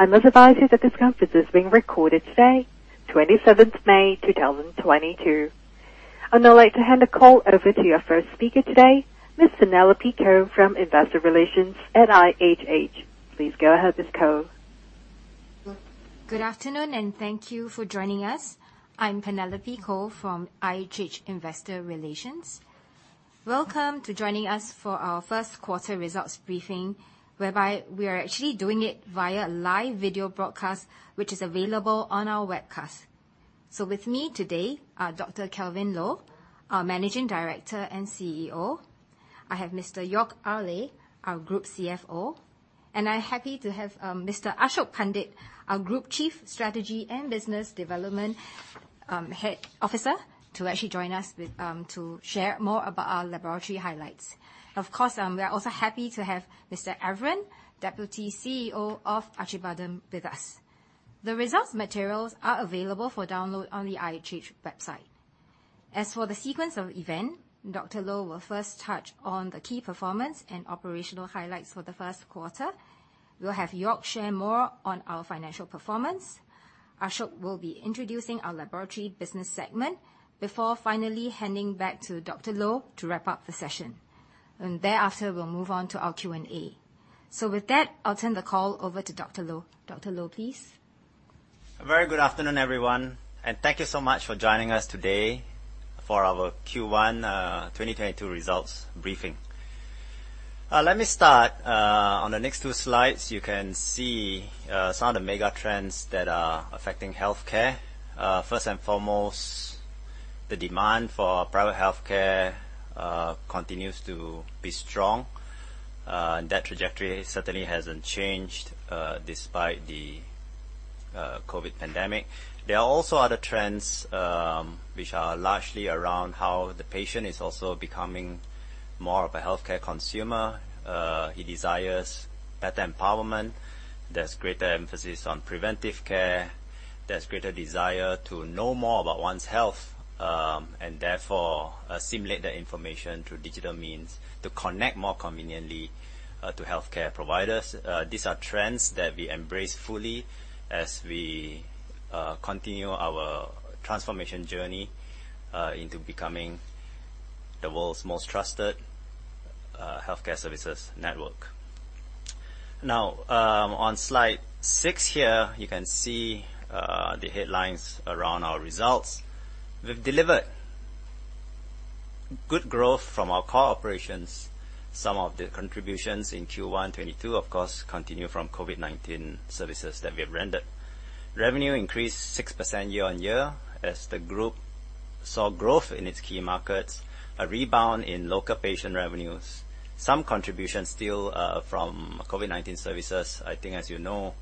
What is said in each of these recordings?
I'm just advising that this conference is being recorded today, twenty-seventh May, two thousand and twenty-two. I'd now like to hand the call over to your first speaker today, Ms. Penelope Koh from Investor Relations at IHH. Please go ahead, Ms. Koh. Good afternoon, and thank you for joining us. I'm Penelope Koh from IHH Investor Relations. Welcome to joining us for our first quarter results briefing, whereby we are actually doing it via live video broadcast, which is available on our webcast. With me today are Dr. Kelvin Loh, our Managing Director and CEO. I have Mr. Jörg Ayrle, our Group CFO. I'm happy to have Mr. Ashok Pandit, our Group Chief Strategy and Business Development Officer to actually join us with to share more about our Laboratory highlights. Of course, we are also happy to have Mr. Evren, Deputy CEO of Acibadem with us. The results materials are available for download on the IHH website. As for the sequence of events, Dr. Loh will first touch on the key performance and operational highlights for the first quarter. We'll have Jörg share more on our financial performance. Ashok will be introducing our Laboratory business segment before finally handing back to Dr. Loh to wrap up the session. Thereafter, we'll move on to our Q&A. With that, I'll turn the call over to Dr. Loh. Dr. Loh, please. A very good afternoon, everyone, and thank you so much for joining us today for our Q1 2022 results briefing. Let me start. On the next two Slides, you can see some of the mega trends that are affecting healthcare. First and foremost, the demand for private healthcare continues to be strong, and that trajectory certainly hasn't changed despite the COVID pandemic. There are also other trends which are largely around how the patient is also becoming more of a healthcare consumer. He desires better empowerment. There's greater emphasis on preventive care. There's greater desire to know more about one's health, and therefore, disseminate the information through digital means to connect more conveniently to healthcare providers. These are trends that we embrace fully as we continue our transformation journey into becoming the world's most trusted healthcare services network. Now, on Slide 6 here, you can see the headlines around our results. We've delivered good growth from our core operations. Some of the contributions in Q1 2022, of course, continue from COVID-19 services that we have rendered. Revenue increased 6% year-on-year as the Group saw growth in its key markets, a rebound in local patient revenues. Some contributions still from COVID-19 services. I think, as you know,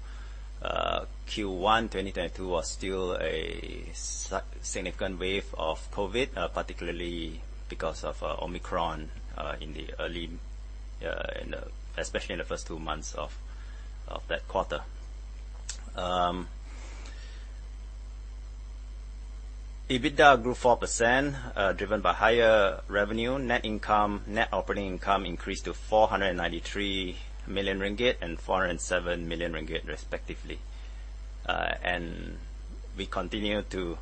Q1 2022 was still a significant wave of COVID, particularly because of Omicron, especially in the first two months of that quarter. EBITDA grew 4%, driven by higher revenue. Net income, net operating income increased to 493 million ringgit and 407 million ringgit respectively. We continue to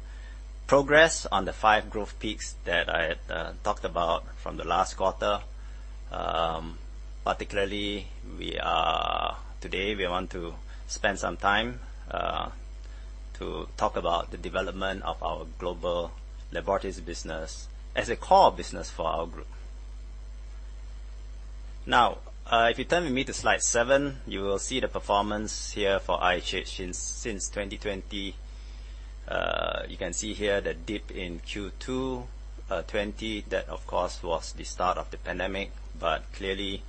progress on the five growth peaks that I talked about from the last quarter. Particularly, today we want to spend some time to talk about the development of our global laboratories business as a core business for our Group. Now, if you turn with me to Slide 7, you will see the performance here for IHH since 2020. You can see here the dip in Q2 2020, that of course was the start of the pandemic, but clearly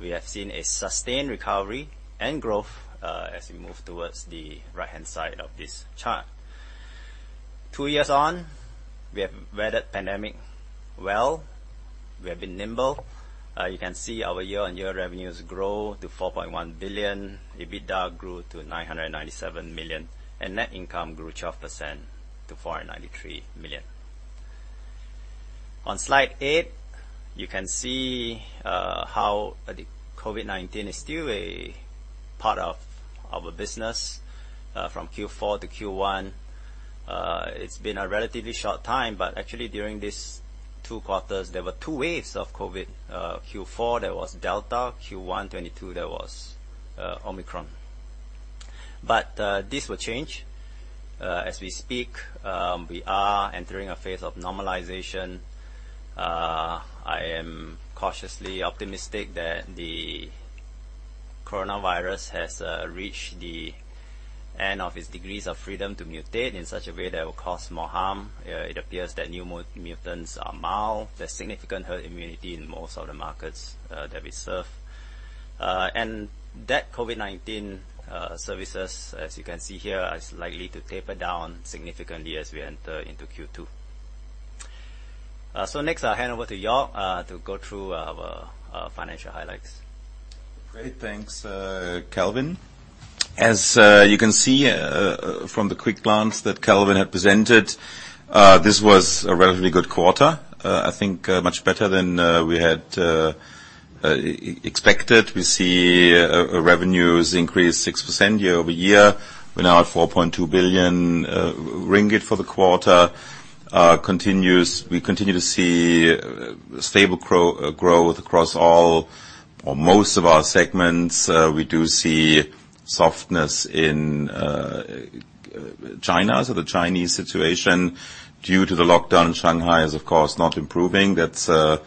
we have seen a sustained recovery and growth as we move towards the right-hand side of this chart. Two years on, we have weathered pandemic well. We have been nimble. You can see our year-on-year revenues grow to 4.1 billion. EBITDA grew to 997 million, and net income grew 12% to 493 million. On Slide 8, you can see how the COVID-19 is still a part of a business from Q4 to Q1. It's been a relatively short time, but actually during these two quarters, there were two waves of COVID. Q4, there was Delta, Q1 2022, there was Omicron. This will change. As we speak, we are entering a phase of normalization. I am cautiously optimistic that the coronavirus has reached the end of its degrees of freedom to mutate in such a way that will cause more harm. It appears that new mutants are mild. There's significant herd immunity in most of the markets that we serve. That COVID-19 services, as you can see here, is likely to taper down significantly as we enter into Q2. Next I'll hand over to Jörg to go through our financial highlights. Great. Thanks, Kelvin. As you can see from the quick glance that Kelvin had presented, this was a relatively good quarter. I think much better than we had expected. We see revenues increase 6% year-over-year. We're now at 4.2 billion ringgit for the quarter. We continue to see stable growth across all or most of our segments. We do see softness in China. The Chinese situation due to the lockdown in Shanghai is of course not improving. That's a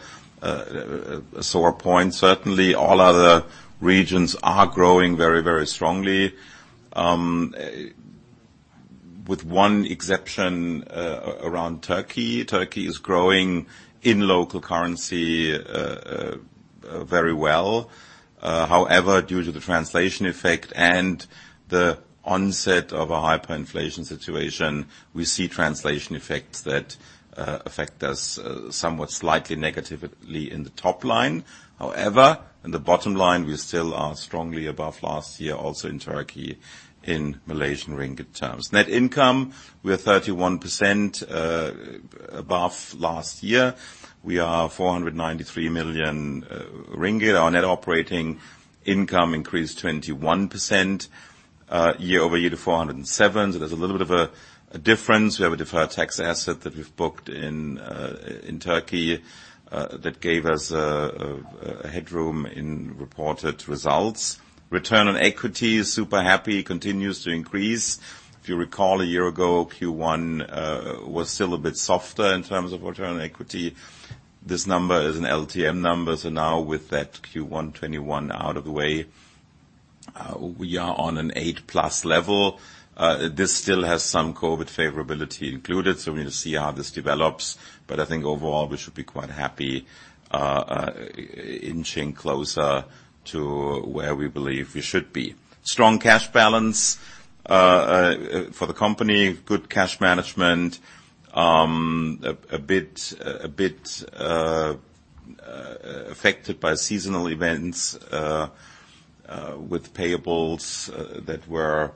sore point, certainly. All other regions are growing very strongly with one exception around Turkey. Turkey is growing in local currency very well. However, due to the translation effect and the onset of a hyperinflation situation, we see translation effects that affect us somewhat slightly negatively in the top line. However, in the bottom line, we still are strongly above last year, also in Turkey, in Malaysian ringgit terms. Net income, we are 31% above last year. We are 493 million ringgit. Our net operating income increased 21% year-over-year to 407 million. So there's a little bit of a difference. We have a deferred tax asset that we've booked in in Turkey that gave us a headroom in reported results. Return on equity is super happy. Continues to increase. If you recall, a year ago, Q1 was still a bit softer in terms of return on equity. This number is an LTM number, so now with that Q1 2021 out of the way, we are on an 8+ level. This still has some COVID favorability included, so we'll see how this develops. I think overall, we should be quite happy, inching closer to where we believe we should be. Strong cash balance for the company. Good cash management. A bit affected by seasonal events with payables that were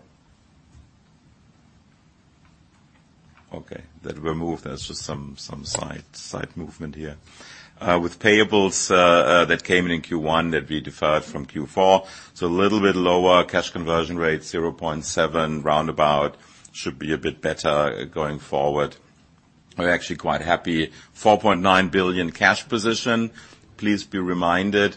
moved. There's just some slight movement here. With payables that came in in Q1 that we deferred from Q4. A little bit lower cash conversion rate, 0.7 roundabout. Should be a bit better going forward. We're actually quite happy. 4.9 billion cash position. Please be reminded,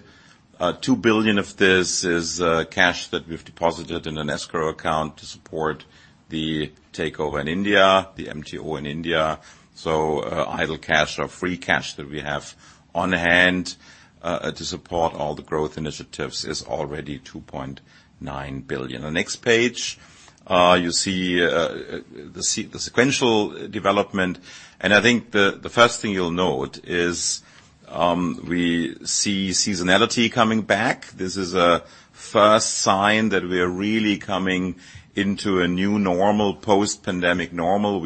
2 billion of this is cash that we've deposited in an escrow account to support the takeover in India, the MTO in India. Idle cash or free cash that we have on hand to support all the growth initiatives is already 2.9 billion. The next page, you see the sequential development, and I think the first thing you'll note is, we see seasonality coming back. This is a first sign that we are really coming into a new normal, post-pandemic normal.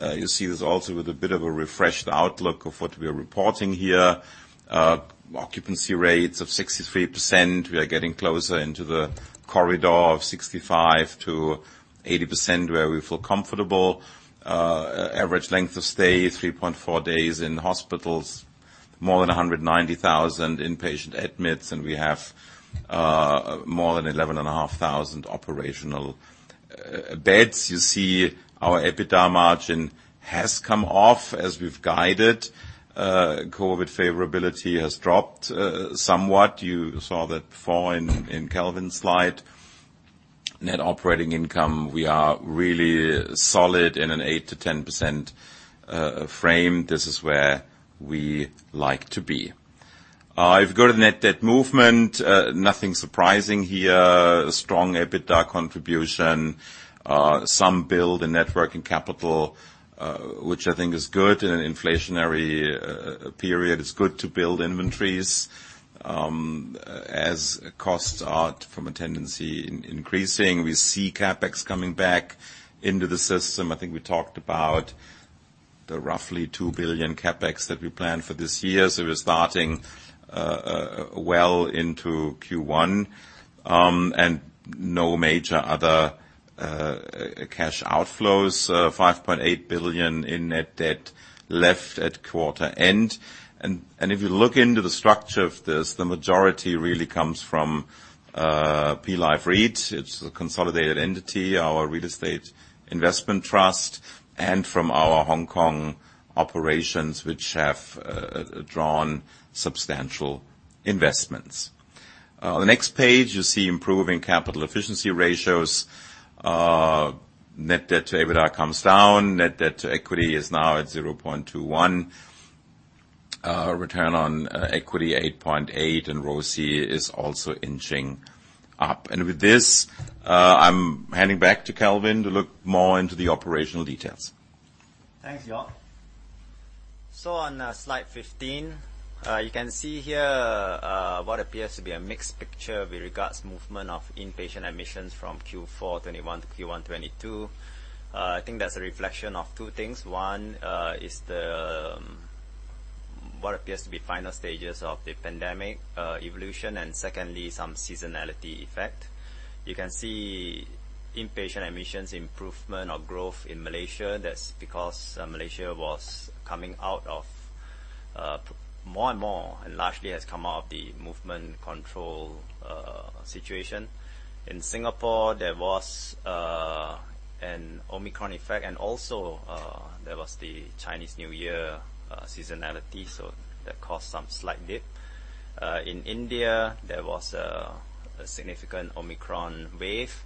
You see this also with a bit of a refreshed outlook of what we are reporting here. Occupancy rates of 63%. We are getting closer into the corridor of 65%-80%, where we feel comfortable. Average length of stay, 3.4 days in hospitals. More than 190,000 inpatient admits, and we have more than 11,500 operational beds. You see our EBITDA margin has come off as we've guided. COVID favorability has dropped somewhat. You saw that before in Kelvin's Slide. Net operating income, we are really solid in an 8%-10% frame. This is where we like to be. If you go to Net Debt movement, nothing surprising here. A strong EBITDA contribution. Some build in net working capital, which I think is good. In an inflationary period, it's good to build inventories, as costs have a tendency to increase. We see CapEx coming back into the system. I think we talked about the roughly 2 billion CapEx that we planned for this year. We're starting well into Q1, and no major other cash outflows. 5.8 billion in Net Debt left at quarter end. If you look into the structure of this, the majority really comes from Parkway Life REIT. It's a consolidated entity, our real estate investment trust, and from our Hong Kong operations, which have drawn substantial investments. The next page, you see improving capital efficiency ratios. Net debt to EBITDA comes down. Net debt to equity is now at 0.21. Return on Equity, 8.8, and ROCE is also inching up. With this, I'm handing back to Kelvin to look more into the operational details. Thanks, Jörg. On Slide 15, you can see here what appears to be a mixed picture with regards movement of inpatient admissions from Q4 2021 to Q1 2022. I think that's a reflection of two things. One is the what appears to be final stages of the pandemic evolution, and secondly, some seasonality effect. You can see Inpatient admissions, improvement or growth in Malaysia, that's because Malaysia was coming out of more and more, and largely has come out of the movement control situation. In Singapore, there was an Omicron effect, and also, there was the Chinese New Year seasonality, so that caused some slight dip. In India, there was a significant Omicron wave.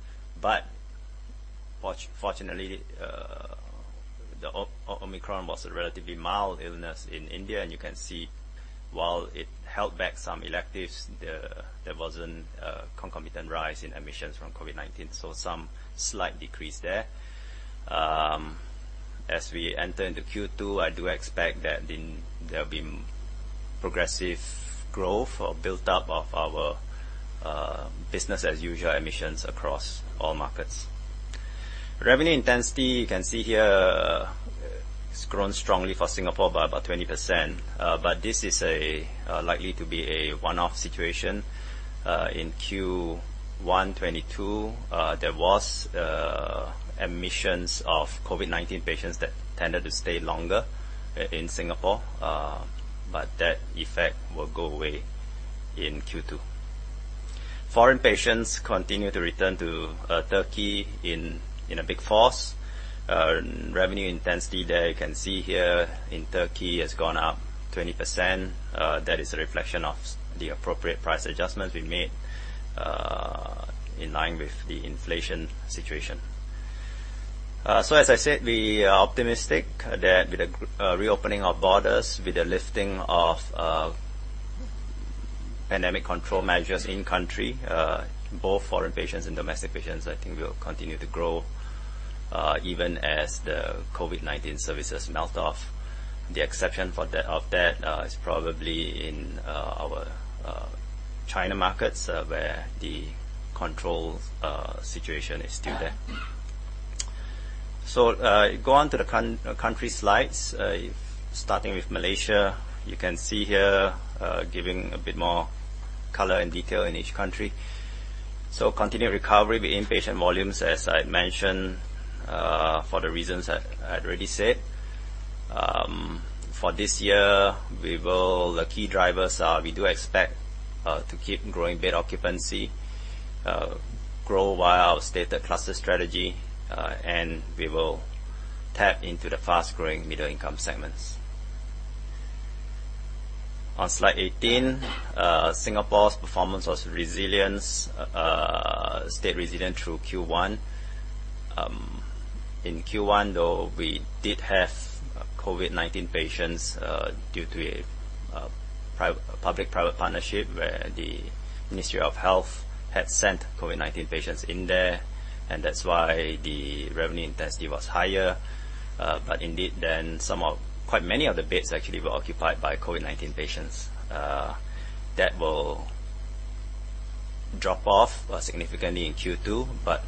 Fortunately, the Omicron was a relatively mild illness in India, and you can see while it held back some electives, there wasn't a concomitant rise in admissions from COVID-19. Some slight decrease there. As we enter into Q2, I do expect that there'll be progressive growth or build-up of our business-as-usual admissions across all markets. Revenue intensity, you can see here, it's grown strongly for Singapore by about 20%. This is a likely to be a one-off situation. In Q1 2022, there was admissions of COVID-19 patients that tended to stay longer in Singapore, but that effect will go away in Q2. Foreign patients continue to return to Turkey in a big force. Revenue intensity there, you can see here in Turkey has gone up 20%. That is a reflection of the appropriate price adjustments we made in line with the inflation situation. As I said, we are optimistic that with the reopening of borders, with the lifting of pandemic control measures in country, both foreign patients and domestic patients, I think, will continue to grow even as the COVID-19 services melt off. The exception of that is probably in our China markets, where the control situation is still there. Go onto the country Slides. Starting with Malaysia, you can see here, giving a bit more color and detail in each country. Continued recovery with inpatient volumes, as I mentioned, for the reasons I already said. For this year, we will. The key drivers are we do expect to keep growing bed occupancy, grow via our stated cluster strategy, and we will tap into the fast-growing middle income segments. On Slide 18, Singapore's performance was resilient, stayed resilient through Q1. In Q1, though, we did have COVID-19 patients due to a public-private partnership where the Ministry of Health had sent COVID-19 patients in there, and that's why the revenue intensity was higher. Indeed then some of quite many of the beds actually were occupied by COVID-19 patients. That will drop off significantly in Q2, but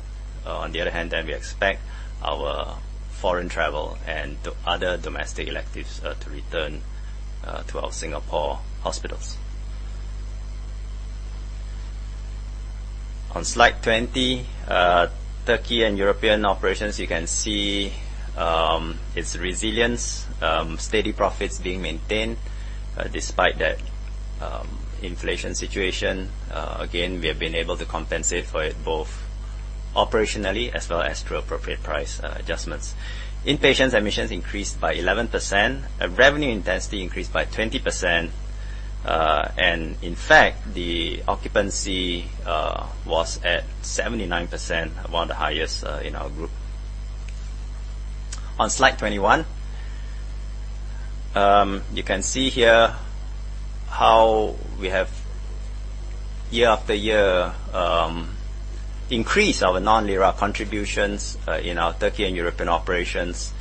on the other hand then we expect our foreign travel and to other domestic electives to return to our Singapore hospitals. On Slide 20, Turkey and European operations, you can see its resilience, steady profits being maintained despite that inflation situation. Again, we have been able to compensate for it both operationally as well as through appropriate price adjustments. Inpatient admissions increased by 11%. Revenue intensity increased by 20%. In fact, the occupancy was at 79%, among the highest in our Group. On Slide 21, you can see here how we have year after year increased our non-lira contributions in our Türkiye and European operations.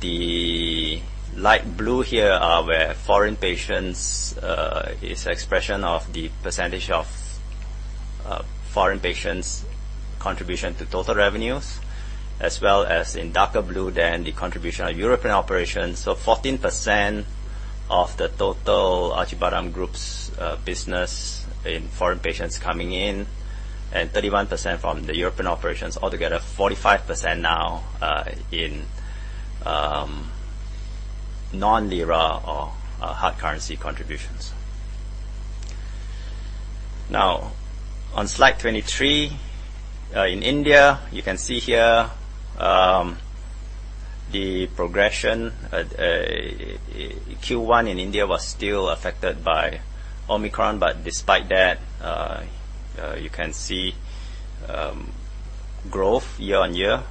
The light blue here are where foreign patients is expression of the percentage of foreign patients' contribution to total revenues, as well as in darker blue then the contribution of European operations. Fourteen percent of the total Acibadem Group's business in foreign patients coming in and 31% from the European operations. Altogether, 45% now in non-lira or hard currency contributions. Now, on Slide 23 in India, you can see here the progression. Q1 in India was still affected by Omicron, but despite that, you can see growth year-over-year.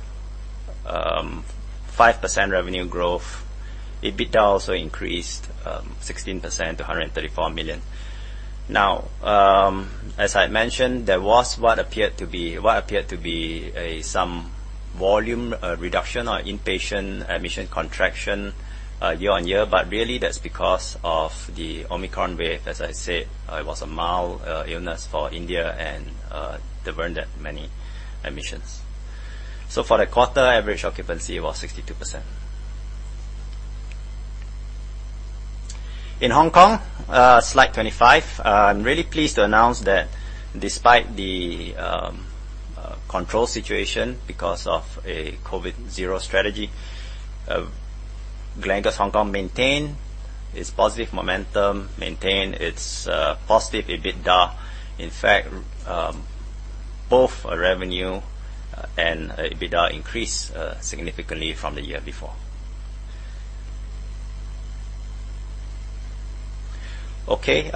5% revenue growth. EBITDA also increased 16% to 134 million. Now, as I mentioned, there was what appeared to be a some volume reduction or inpatient admission contraction year-on-year, but really that's because of the Omicron wave. As I said, it was a mild illness for India and there weren't that many admissions. For the quarter, average occupancy was 62%. In Hong Kong, Slide 25, I'm really pleased to announce that despite the control situation because of a COVID zero strategy, Gleneagles Hong Kong maintained its positive momentum, maintained its positive EBITDA. In fact, both revenue and EBITDA increased significantly from the year before. Okay.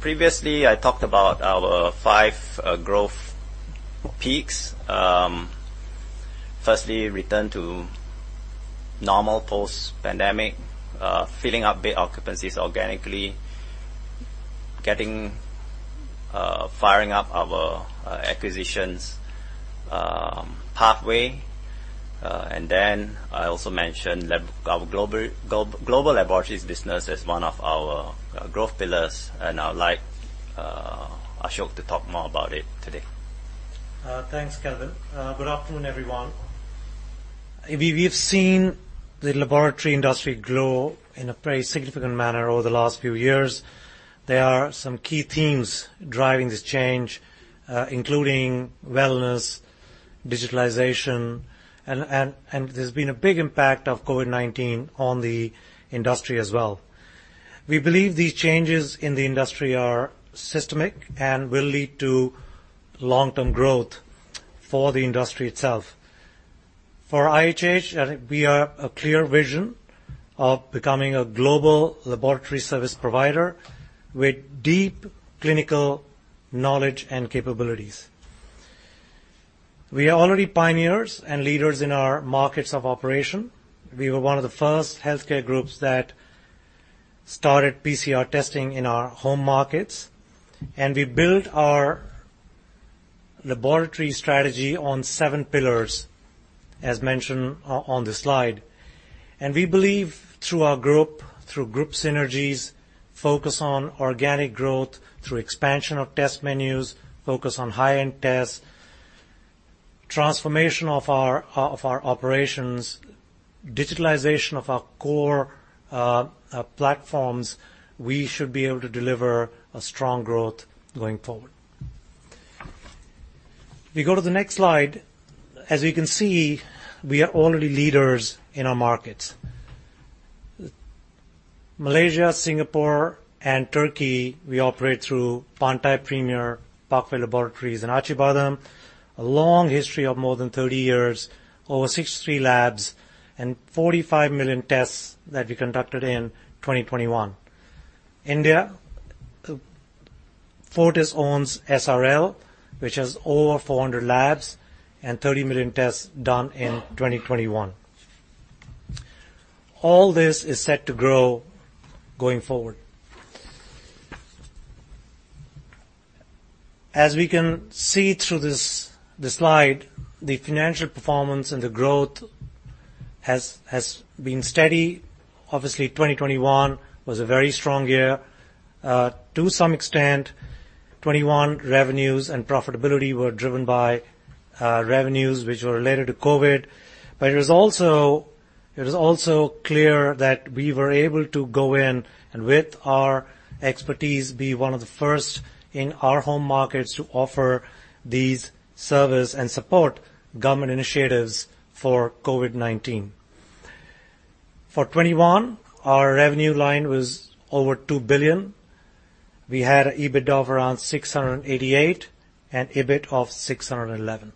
Previously, I talked about our 5 growth peaks. Firstly, return to normal post-pandemic, filling up bed occupancies organically, getting firing up our acquisitions pathway. I also mentioned our Global Laboratory business as one of our growth pillars, and I'd like Ashok to talk more about it today. Thanks, Kelvin. Good afternoon, everyone. We've seen the Laboratory industry grow in a very significant manner over the last few years. There are some key themes driving this change, including wellness, digitalization, and there's been a big impact of COVID-19 on the industry as well. We believe these changes in the industry are systemic and will lead to long-term growth for the industry itself. For IHH, I think we have a clear vision of becoming a global Laboratory service provider with deep clinical knowledge and capabilities. We are already pioneers and leaders in our markets of operation. We were one of the first healthcare Groups that started PCR testing in our home markets, and we built our Laboratory strategy on seven pillars, as mentioned on this Slide. We believe through our Group, through Group synergies, focus on organic growth, through expansion of test menus, focus on high-end tests, transformation of our operations, digitalization of our core platforms, we should be able to deliver a strong growth going forward. We go to the next Slide. As you can see, we are already leaders in our markets. Malaysia, Singapore, and Turkey, we operate through Pantai Premier, Parkway Laboratories, and Acibadem. A long history of more than 30 years, over 63 labs, and 45 million tests that we conducted in 2021. India, Fortis owns SRL, which has over 400 labs and 30 million tests done in 2021. All this is set to grow going forward. As we can see through this Slide, the financial performance and the growth has been steady. Obviously, 2021 was a very strong year. To some extent, 2021 revenues and profitability were driven by revenues which were related to COVID. It was also clear that we were able to go in, and with our expertise, be one of the first in our home markets to offer these services and support government initiatives for COVID-19. For 2021, our revenue line was over 2 billion. We had EBITDA of around 688 million and EBIT of 611 million.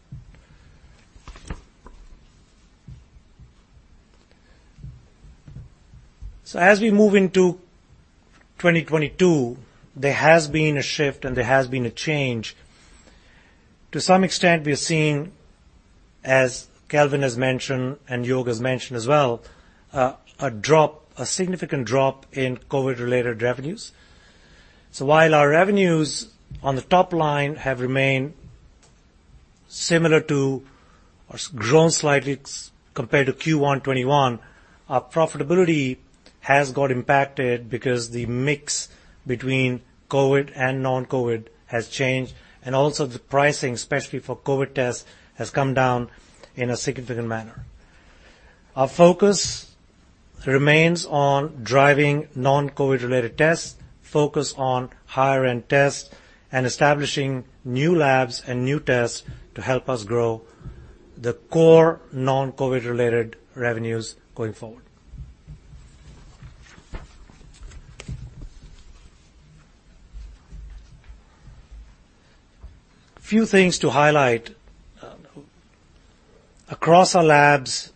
As we move into 2022, there has been a shift and there has been a change. To some extent, we are seeing, as Kelvin has mentioned, and Jörg has mentioned as well, a drop, a significant drop in COVID-related revenues. While our revenues on the top line have remained similar to or grown slightly compared to Q1 2021, our profitability has got impacted because the mix between COVID and non-COVID has changed, and also the pricing, especially for COVID tests, has come down in a significant manner. Our focus remains on driving non-COVID-related tests, focus on higher-end tests, and establishing new labs and new tests to help us grow the core non-COVID-related revenues going forward. Few things to highlight. Across our labs,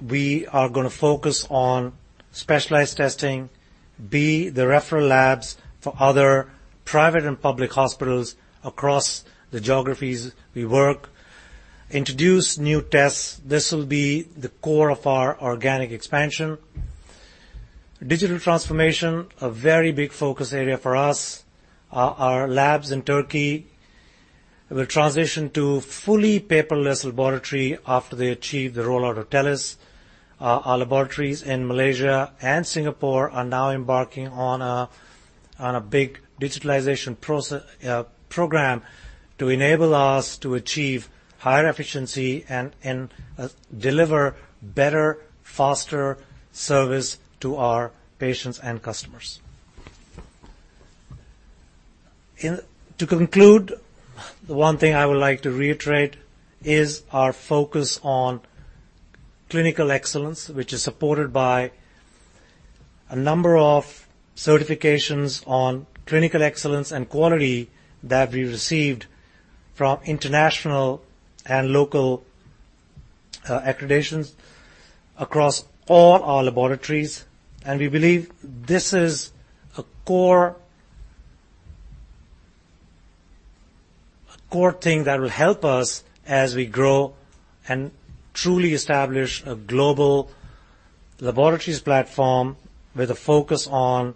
we are gonna focus on specialized testing, be the referral labs for other private and public hospitals across the geographies we work, introduce new tests. This will be the core of our organic expansion. Digital transformation, a very big focus area for us. Our labs in Turkey will transition to fully paperless Laboratory after they achieve the rollout of TrakCare. Our laboratories in Malaysia and Singapore are now embarking on a big digitalization program to enable us to achieve higher efficiency and deliver better, faster service to our patients and customers. To conclude, the one thing I would like to reiterate is our focus on clinical excellence, which is supported by a number of certifications on clinical excellence and quality that we received from international and local accreditations across all our laboratories. We believe this is a core thing that will help us as we grow and truly establish a global laboratories platform with a focus on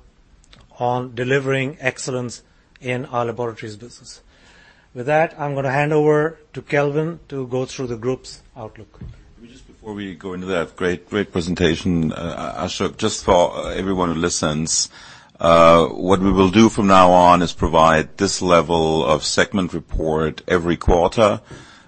delivering excellence in our laboratories business. With that, I'm gonna hand over to Kelvin to go through the Group's outlook. Just before we go into that, great presentation, Ashok. Just for everyone who listens, what we will do from now on is provide this level of segment report every quarter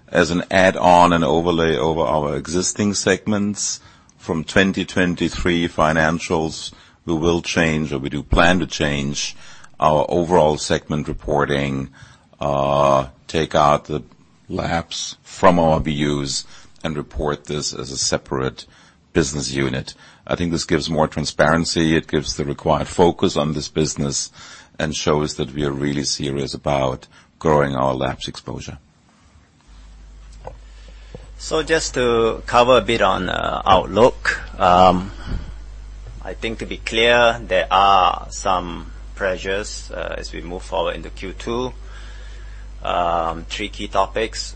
as an add-on and overlay over our existing segments. From 2023 financials, we will change, or we do plan to change our overall segment reporting, take out the labs from our views and report this as a separate business unit. I think this gives more transparency. It gives the required focus on this business and shows that we are really serious about growing our labs exposure. Just to cover a bit on outlook, I think to be clear, there are some pressures as we move forward into Q2. Three key topics.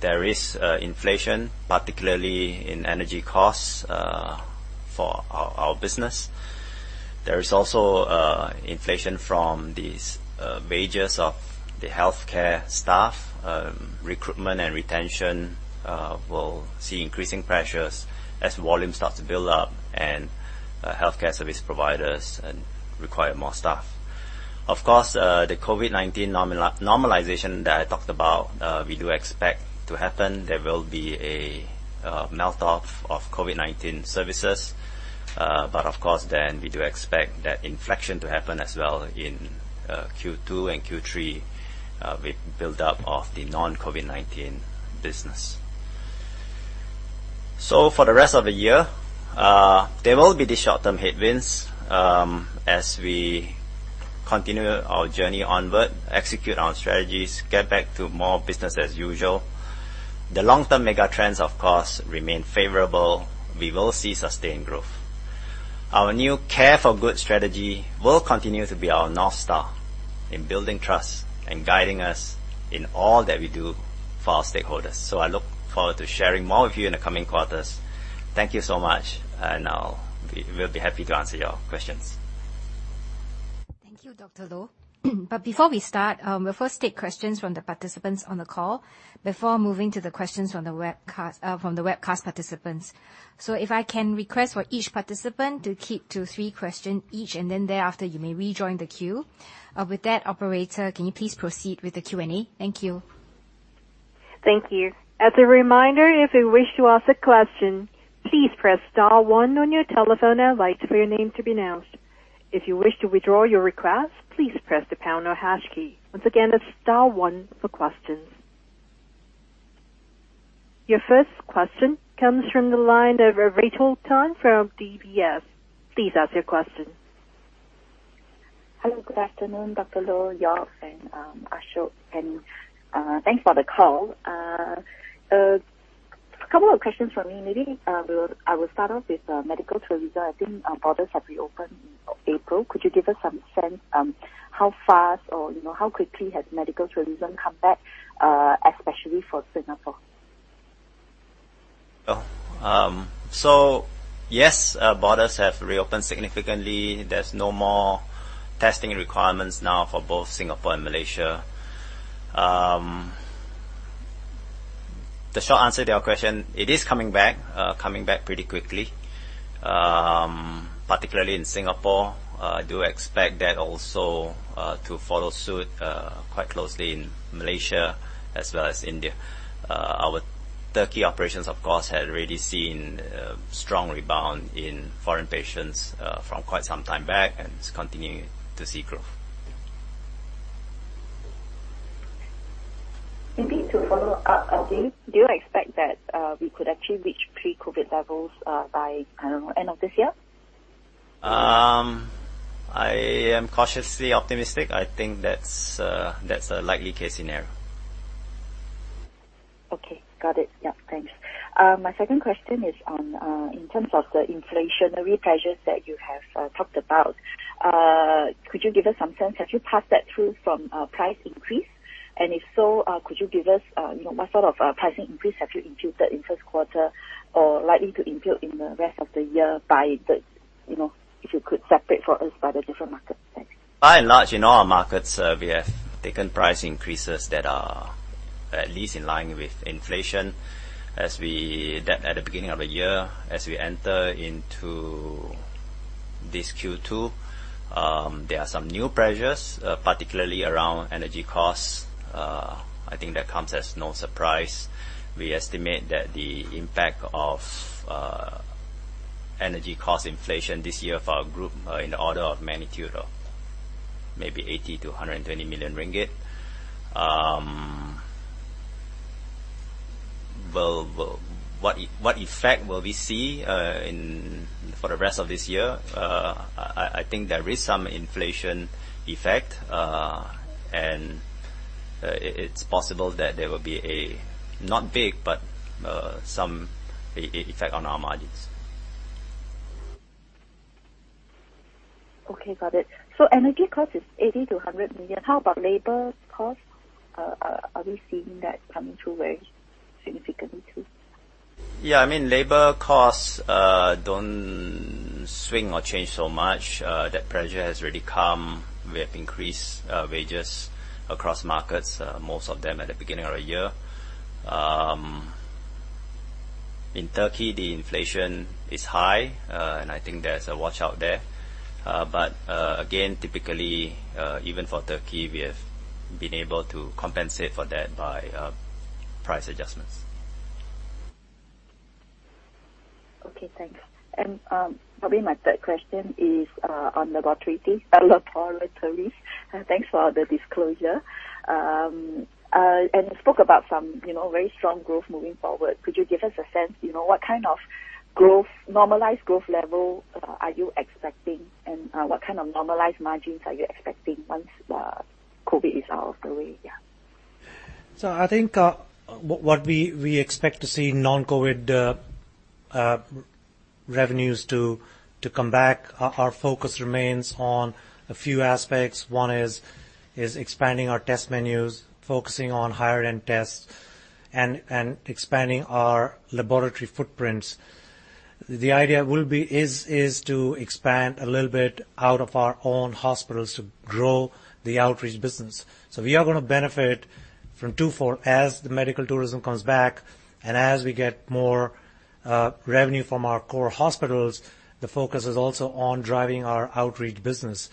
There is inflation, particularly in energy costs for our business. There is also inflation from these wages of the healthcare staff. Recruitment and retention will see increasing pressures as volumes start to build up and healthcare service providers require more staff. Of course, the COVID-19 normalization that I talked about, we do expect to happen. There will be a melt off of COVID-19 services. Of course, then we do expect that inflection to happen as well in Q2 and Q3, with build-up of the non-COVID-19 business. For the rest of the year, there will be the short-term headwinds, as we continue our journey onward, execute our strategies, get back to more business as usual. The long-term mega trends, of course, remain favorable. We will see sustained growth. Our new Care for Good strategy will continue to be our North Star in building trust and guiding us in all that we do for our stakeholders. I look forward to sharing more with you in the coming quarters. Thank you so much, and we'll be happy to answer your questions. Thank you, Dr. Loh. Before we start, we'll first take questions from the participants on the call before moving to the questions from the webcast, from the webcast participants. If I can request for each participant to keep to three questions each, and then thereafter, you may rejoin the queue. With that, operator, can you please proceed with the Q&A? Thank you. Thank you. As a reminder, if you wish to ask a question, please press star one on your telephone and wait for your name to be announced. If you wish to withdraw your request, please press the pound or hash key. Once again, that's star one for questions. Your first question comes from the line of Rachel Tan from DBS. Please ask your question. Hello. Good afternoon, Dr. Loh, Jörg, and Mr. Ashok, and thanks for the call. Couple of questions from me. I will start off with medical tourism. I think our borders have reopened in April. Could you give us some sense, how fast or, you know, how quickly has medical tourism come back, especially for Singapore? Yes, borders have reopened significantly. There's no more testing requirements now for both Singapore and Malaysia. The short answer to your question, it is coming back pretty quickly, particularly in Singapore. I do expect that also to follow suit quite closely in Malaysia as well as India. Our Türkiye operations, of course, had already seen a strong rebound in foreign patients from quite some time back, and it's continuing to see growth. Maybe to follow up a bit, do you expect that we could actually reach pre-COVID levels by, I don't know, end of this year? I am cautiously optimistic. I think that's a likely case scenario. Okay. Got it. Yeah. Thanks. My second question is on, in terms of the inflationary pressures that you have talked about. Could you give us some sense, have you passed that through from price increase? And if so, could you give us, you know, what sort of pricing increase have you imputed in first quarter or likely to impute in the rest of the year by the. You know, if you could separate for us by the different markets. Thanks. By and large, in all our markets, we have taken price increases that are at least in line with inflation that at the beginning of the year, as we enter into this Q2, there are some new pressures, particularly around energy costs. I think that comes as no surprise. We estimate that the impact of energy cost inflation this year for our Group are in the order of magnitude of maybe 80 million-120 million ringgit. Well, what effect will we see in for the rest of this year? I think there is some inflation effect. It is possible that there will be a not big, but some effect on our margins. Okay. Got it. Energy cost is 80 million-100 million. How about labor costs? Are we seeing that coming through very significantly too? Yeah, I mean, labor costs don't swing or change so much. That pressure has already come. We have increased wages across markets, most of them at the beginning of the year. In Turkey, the inflation is high, and I think there's a watch-out there. Again, typically, even for Turkey, we have been able to compensate for that by price adjustments. Okay, thanks. Probably my third question is on Laboratory. Thanks for the disclosure. You spoke about some, you know, very strong growth moving forward. Could you give us a sense, you know, what kind of growth, normalized growth level, are you expecting? What kind of normalized margins are you expecting once the COVID is out of the way? Yeah. I think what we expect to see non-COVID revenues to come back. Our focus remains on a few aspects. One is expanding our test menus, focusing on higher end tests and expanding our Laboratory footprints. The idea will be to expand a little bit out of our own hospitals to grow the outreach business. We are gonna benefit from twofold. As the medical tourism comes back and as we get more revenue from our core hospitals, the focus is also on driving our outreach business.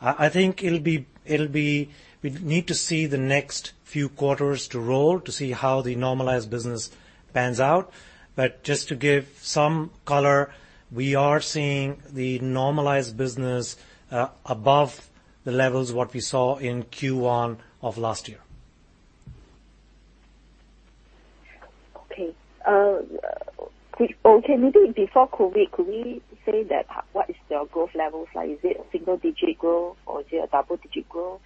I think it'll be. We need to see the next few quarters to really see how the normalized business pans out. Just to give some color, we are seeing the normalized business above the levels what we saw in Q1 of last year. Okay. Maybe before COVID, could we say that what is the growth levels like? Is it a single digit growth or is it a double digit growth?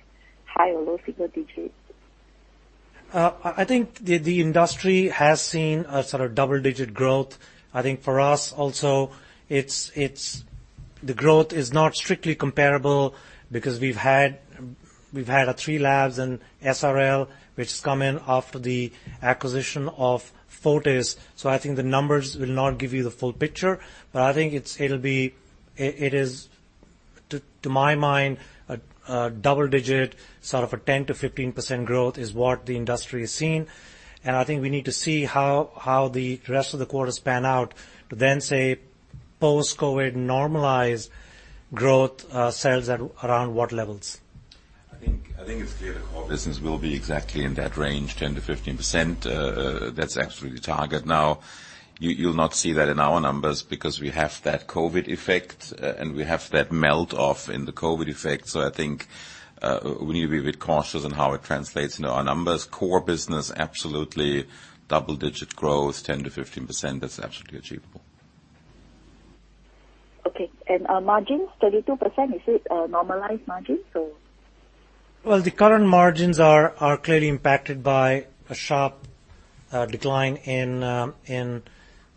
High or low single digits? I think the industry has seen a sort of double-digit growth. I think for us also, the growth is not strictly comparable because we've had 3 labs in SRL which has come in after the acquisition of Fortis. I think the numbers will not give you the full picture. But I think it is, to my mind, a double-digit, sort of a 10%-15% growth is what the industry is seeing. I think we need to see how the rest of the quarters pan out to then say post-COVID normalized growth settles at around what levels. I think it's clear the core business will be exactly in that range, 10%-15%. That's absolutely the target. Now, you'll not see that in our numbers because we have that COVID effect, and we have that melt off in the COVID effect. I think, we need to be a bit cautious on how it translates into our numbers. Core business, absolutely double digit growth, 10%-15%, that's absolutely achievable. Okay. Margins, 32%, is it a normalized margin so? Well, the current margins are clearly impacted by a sharp decline in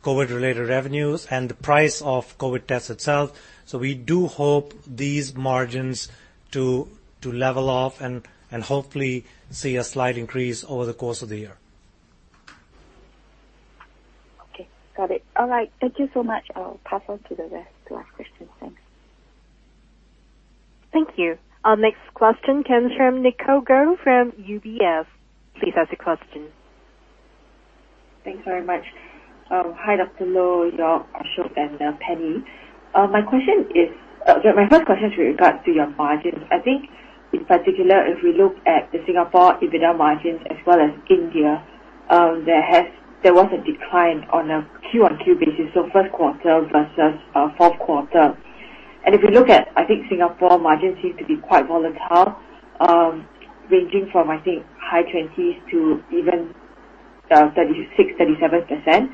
COVID related revenues and the price of COVID tests itself. We do hope these margins to level off and hopefully see a slight increase over the course of the year. Okay. Got it. All right. Thank you so much. I'll pass on to the rest to ask questions. Thanks. Thank you. Our next question comes from Nicole Goh from UBS. Please ask your question. Thanks very much. Hi, Dr. Kelvin Loh, Jörg, Mr. Ashok Pandit, and Penelope Koh. My first question is with regards to your margins. I think in particular, if we look at the Singapore EBITDA margins as well as India, there was a decline on a Q-on-Q basis, so first quarter versus fourth quarter. If you look at, I think Singapore margins seem to be quite volatile, ranging from, I think, high 20s to even 36, 37%.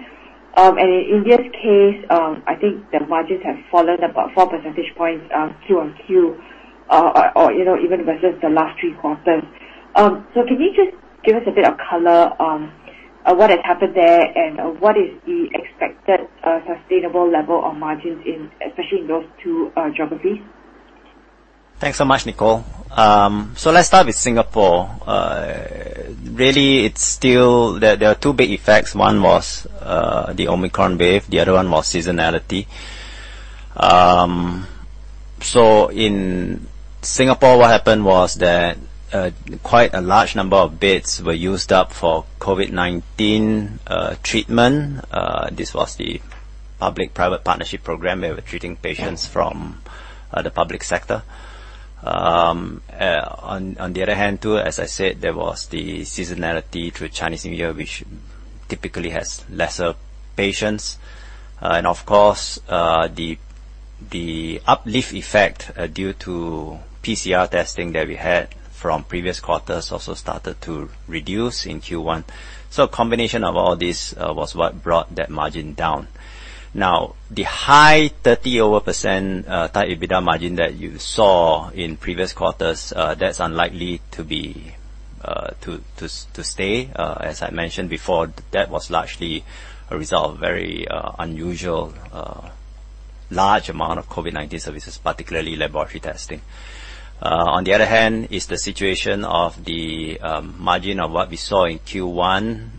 In India's case, I think the margins have fallen about four percentage points, Q-on-Q or, you know, even versus the last three quarters. Can you just give us a bit of color on what has happened there and on what is the expected sustainable level of margins in, especially in those two geographies? Thanks so much, Nicole. Let's start with Singapore. Really, it's still. There are two big effects. One was the Omicron wave, the other one was seasonality. In Singapore, what happened was that quite a large number of beds were used up for COVID-19 treatment. This was the public-private partnership program. We were treating patients from the public sector. On the other hand too, as I said, there was the seasonality through Chinese New Year, which typically has lesser patients. Of course, the uplift effect due to PCR testing that we had from previous quarters also started to reduce in Q1. A combination of all this was what brought that margin down. Now, the high-30% type EBITDA margin that you saw in previous quarters, that's unlikely to be to stay. As I mentioned before, that was largely a result of very unusual large amount of COVID-19 services, particularly laboratory testing. On the other hand, is the situation of the margin of what we saw in Q1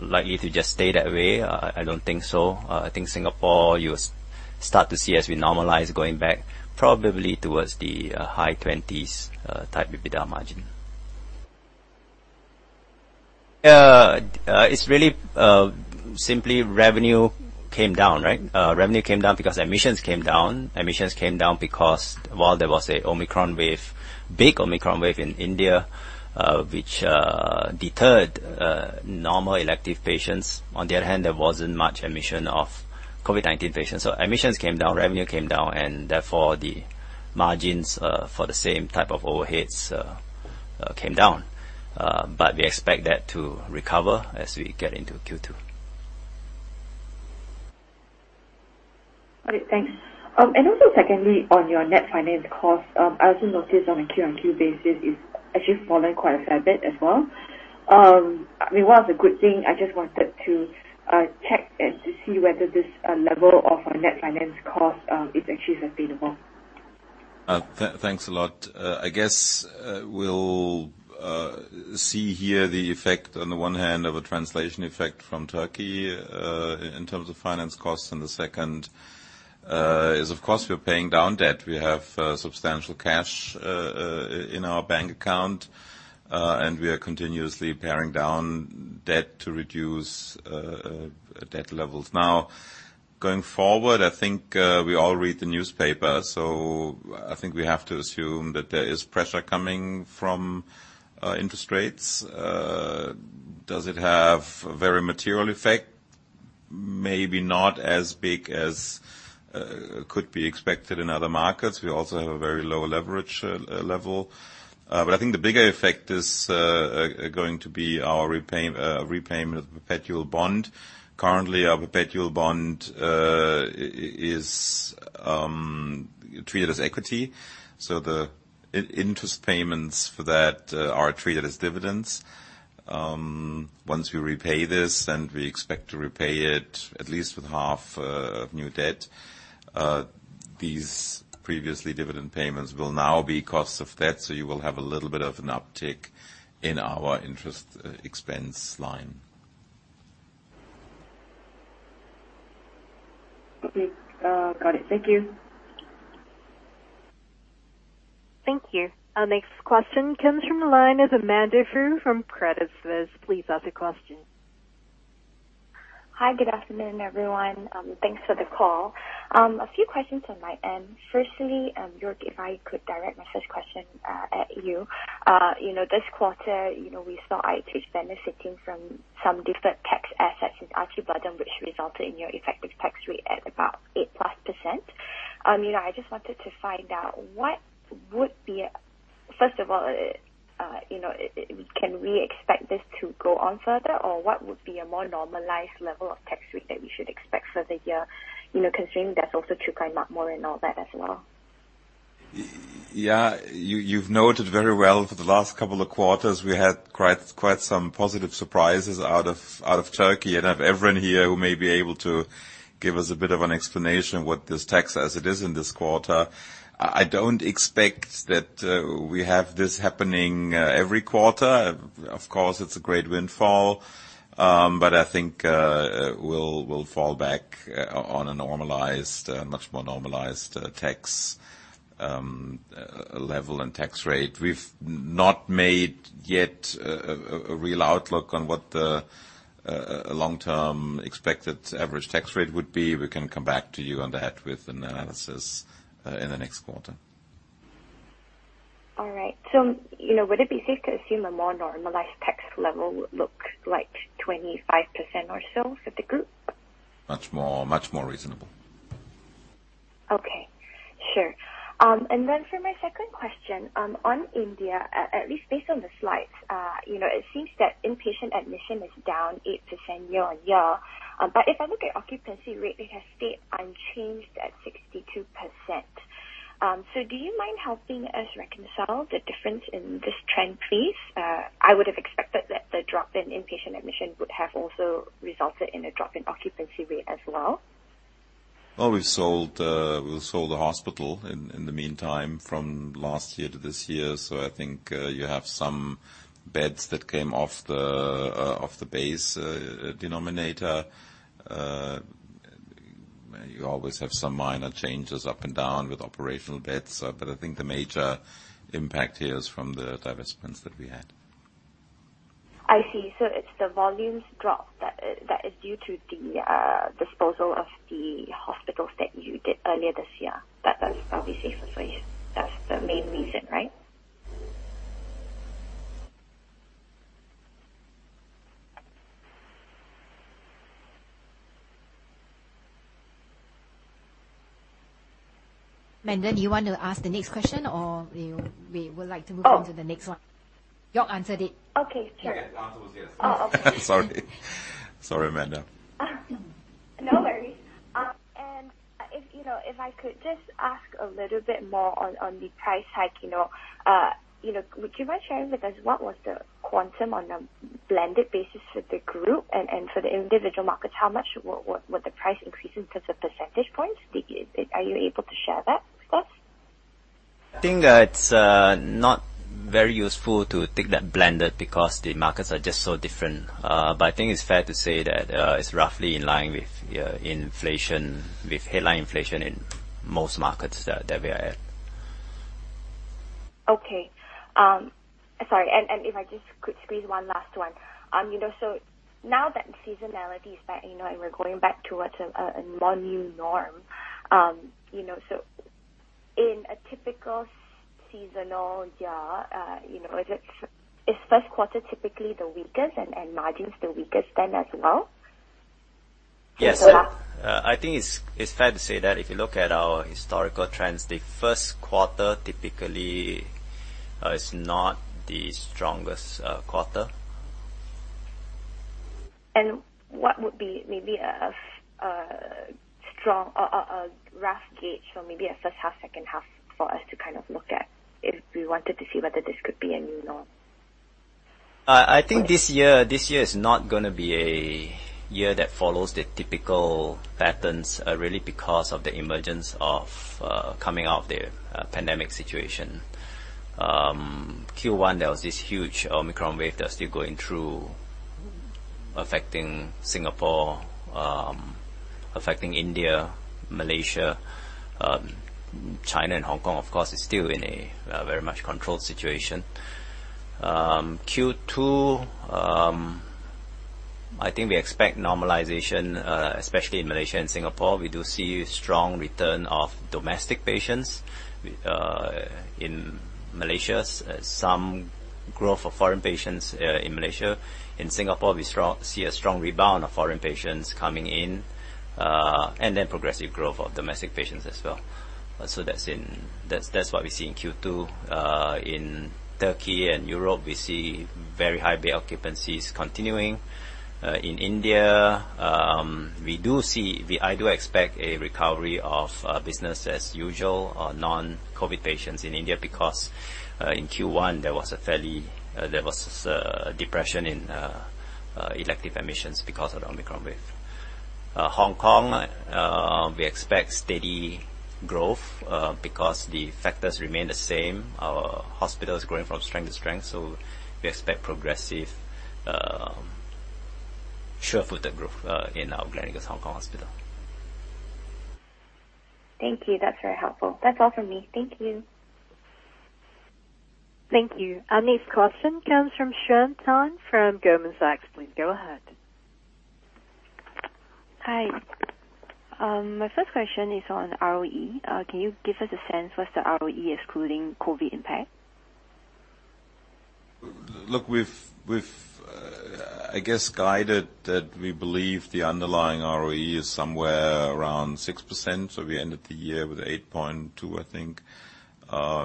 likely to just stay that way? I don't think so. I think Singapore, you'll start to see as we normalize going back probably towards the high 20s type EBITDA margin. It's really simply revenue came down, right? Revenue came down because admissions came down. Admissions came down because while there was an Omicron wave, big Omicron wave in India, which deterred normal elective patients, on the other hand, there wasn't much admission of COVID-19 patients. Admissions came down, revenue came down, and therefore the margins for the same type of overheads came down. We expect that to recover as we get into Q2. All right. Thanks. Also secondly, on your net finance cost, I also noticed on a Q on Q basis, it's actually fallen quite a fair bit as well. I mean, while it's a good thing, I just wanted to check and to see whether this level of net finance cost is actually sustainable. Thanks a lot. I guess we'll see here the effect on the one hand of a translation effect from Türkiye, in terms of finance costs. The second is of course we're paying down debt. We have substantial cash in our bank account, and we are continuously paying down debt to reduce debt levels. Now, going forward, I think we all read the newspaper, so I think we have to assume that there is pressure coming from interest rates. Does it have a very material effect? Maybe not as big as could be expected in other markets. We also have a very low leverage level. I think the bigger effect is going to be our repayment of Perpetual Bond. Currently, our perpetual bond is treated as equity, so the interest payments for that are treated as dividends. Once we repay this, and we expect to repay it at least with half of new debt, these previous dividend payments will now be cost of debt, so you will have a little bit of an uptick in our interest expense line. Okay. Got it. Thank you. Thank you. Our next question comes from the line of Amanda Foo from Credit Suisse. Please ask the question. Hi. Good afternoon, everyone. Thanks for the call. A few questions on my end. Firstly, Jörg, if I could direct my first question at you. You know, this quarter, you know, we saw IHH benefiting from some deferred tax assets in Türkiye, which resulted in your effective tax rate at about 8%+. You know, I just wanted to find out. First of all, you know, can we expect this to go on further? Or what would be a more normalized level of tax rate that we should expect for the year, you know, considering there's also Türkiye up more and all that as well? Yeah. You've noted very well for the last couple of quarters, we had quite some positive surprises out of Türkiye. I have Evren here, who may be able to give us a bit of an explanation what this tax is in this quarter. I don't expect that we have this happening every quarter. Of course, it's a great windfall. But I think we'll fall back on a normalized, much more normalized tax level and tax rate. We've not made yet a real outlook on what the long term expected average tax rate would be. We can come back to you on that with an analysis in the next quarter. All right. You know, would it be safe to assume a more normalized tax level would look like 25% or so for the Group? Much more reasonable. Okay. Sure. For my second question, on India, at least based on the Slides, you know, it seems that inpatient admission is down 8% year-on-year. If I look at occupancy rate, it has stayed unchanged at 62%. Do you mind helping us reconcile the difference in this trend, please? I would have expected that the drop in inpatient admission would have also resulted in a drop in occupancy rate as well. Well, we sold a hospital in the meantime from last year to this year, so I think you have some beds that came off the base denominator. You always have some minor changes up and down with operational beds, but I think the major impact here is from the divestments that we had. I see. It's the volumes drop that that is due to the disposal of the hospitals that you did earlier this year. That is probably safest way. That's the main reason, right? Amanda, you want to ask the next question? We would like to move on to the next one. Oh. Jörg Ayrle answered it. Okay. Sure. The answer was yes. Oh, okay. Sorry, Manda. No worries. If I could just ask a little bit more on the price hike, you know. You know, would you mind sharing with us what was the quantum on a blended basis for the Group and for the individual markets? How much would the price increase in terms of percentage points? Are you able to share that with us? I think that it's not very useful to take that blended because the markets are just so different. I think it's fair to say that it's roughly in line with, yeah, inflation, with headline inflation in most markets that we are at. Okay. Sorry. If I just could squeeze one last one. You know, now that seasonality is back, you know, and we're going back towards a more new norm. You know, in a typical seasonal year, you know, is it first quarter typically the weakest and margins the weakest then as well? Yes. I think it's fair to say that if you look at our historical trends, the first quarter typically is not the strongest quarter. What would be maybe a rough gauge or maybe a first half, second half for us to kind of look at if we wanted to see whether this could be a new norm? I think this year is not gonna be a year that follows the typical patterns, really because of the emergence of coming out of the pandemic situation. Q1, there was this huge Omicron wave that's still going through affecting Singapore, affecting India, Malaysia, China and Hong Kong, of course, is still in a very much controlled situation. Q2, I think we expect normalization, especially in Malaysia and Singapore. We do see strong return of domestic patients. In Malaysia, some growth of foreign patients in Malaysia. In Singapore, we see a strong rebound of foreign patients coming in, and then progressive growth of domestic patients as well. That's what we see in Q2. In Turkey and Europe, we see very high bed occupancies continuing. In India, I do expect a recovery of business as usual, non-COVID patients in India because in Q1 there was a depression in elective admissions because of the Omicron wave. Hong Kong, we expect steady growth because the factors remain the same. Our hospital is growing from strength to strength, so we expect progressive, sure-footed growth in our Gleneagles Hospital Hong Kong. Thank you. That's very helpful. That's all from me. Thank you. Thank you. Our next question comes from Xuan Tan from Goldman Sachs. Please go ahead. Hi. My first question is on ROE. Can you give us a sense what's the ROE excluding COVID impact? Look, we've, I guess, guided that we believe the underlying ROE is somewhere around 6%, so we ended the year with 8.2%, I think.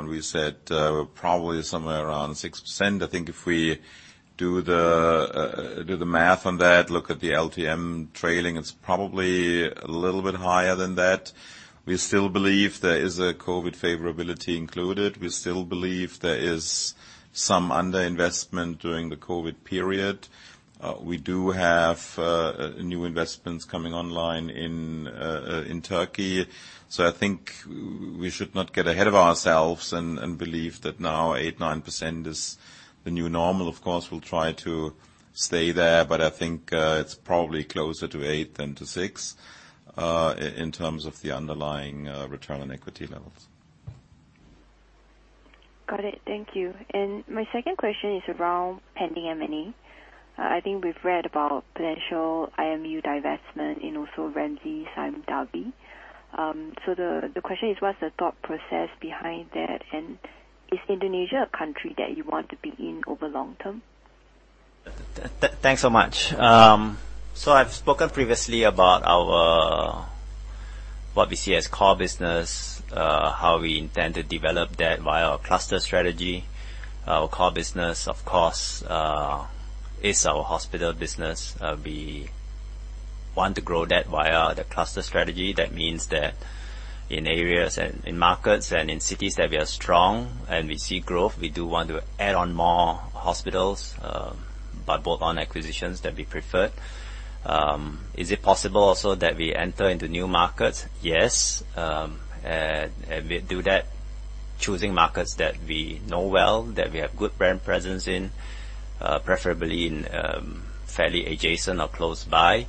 We said probably somewhere around 6%. I think if we do the math on that, look at the LTM trailing, it's probably a little bit higher than that. We still believe there is a COVID favorability included. We still believe there is some underinvestment during the COVID period. We do have new investments coming online in Turkey. I think we should not get ahead of ourselves and believe that now 8%-9% is the new normal. Of course, we'll try to stay there, but I think it's probably closer to 8% than to 6% in terms of the underlying Return on Equity levels. Got it. Thank you. My second question is around pending M&A. I think we've read about potential IMU divestment and also Ramsay Sime Darby. The question is, what's the thought process behind that, and is Indonesia a country that you want to be in over long term? Thanks so much. I've spoken previously about what we see as our core business, how we intend to develop that via our Cluster Strategy. Our core business, of course, is our hospital business. We want to grow that via the Cluster Strategy. That means that in areas and in markets and in cities that we are strong and we see growth, we do want to add on more hospitals, by bolt-on acquisitions that we prefer. Is it possible also that we enter into new markets? Yes. We do that, choosing markets that we know well, that we have good brand presence in, preferably in, fairly adjacent or close by.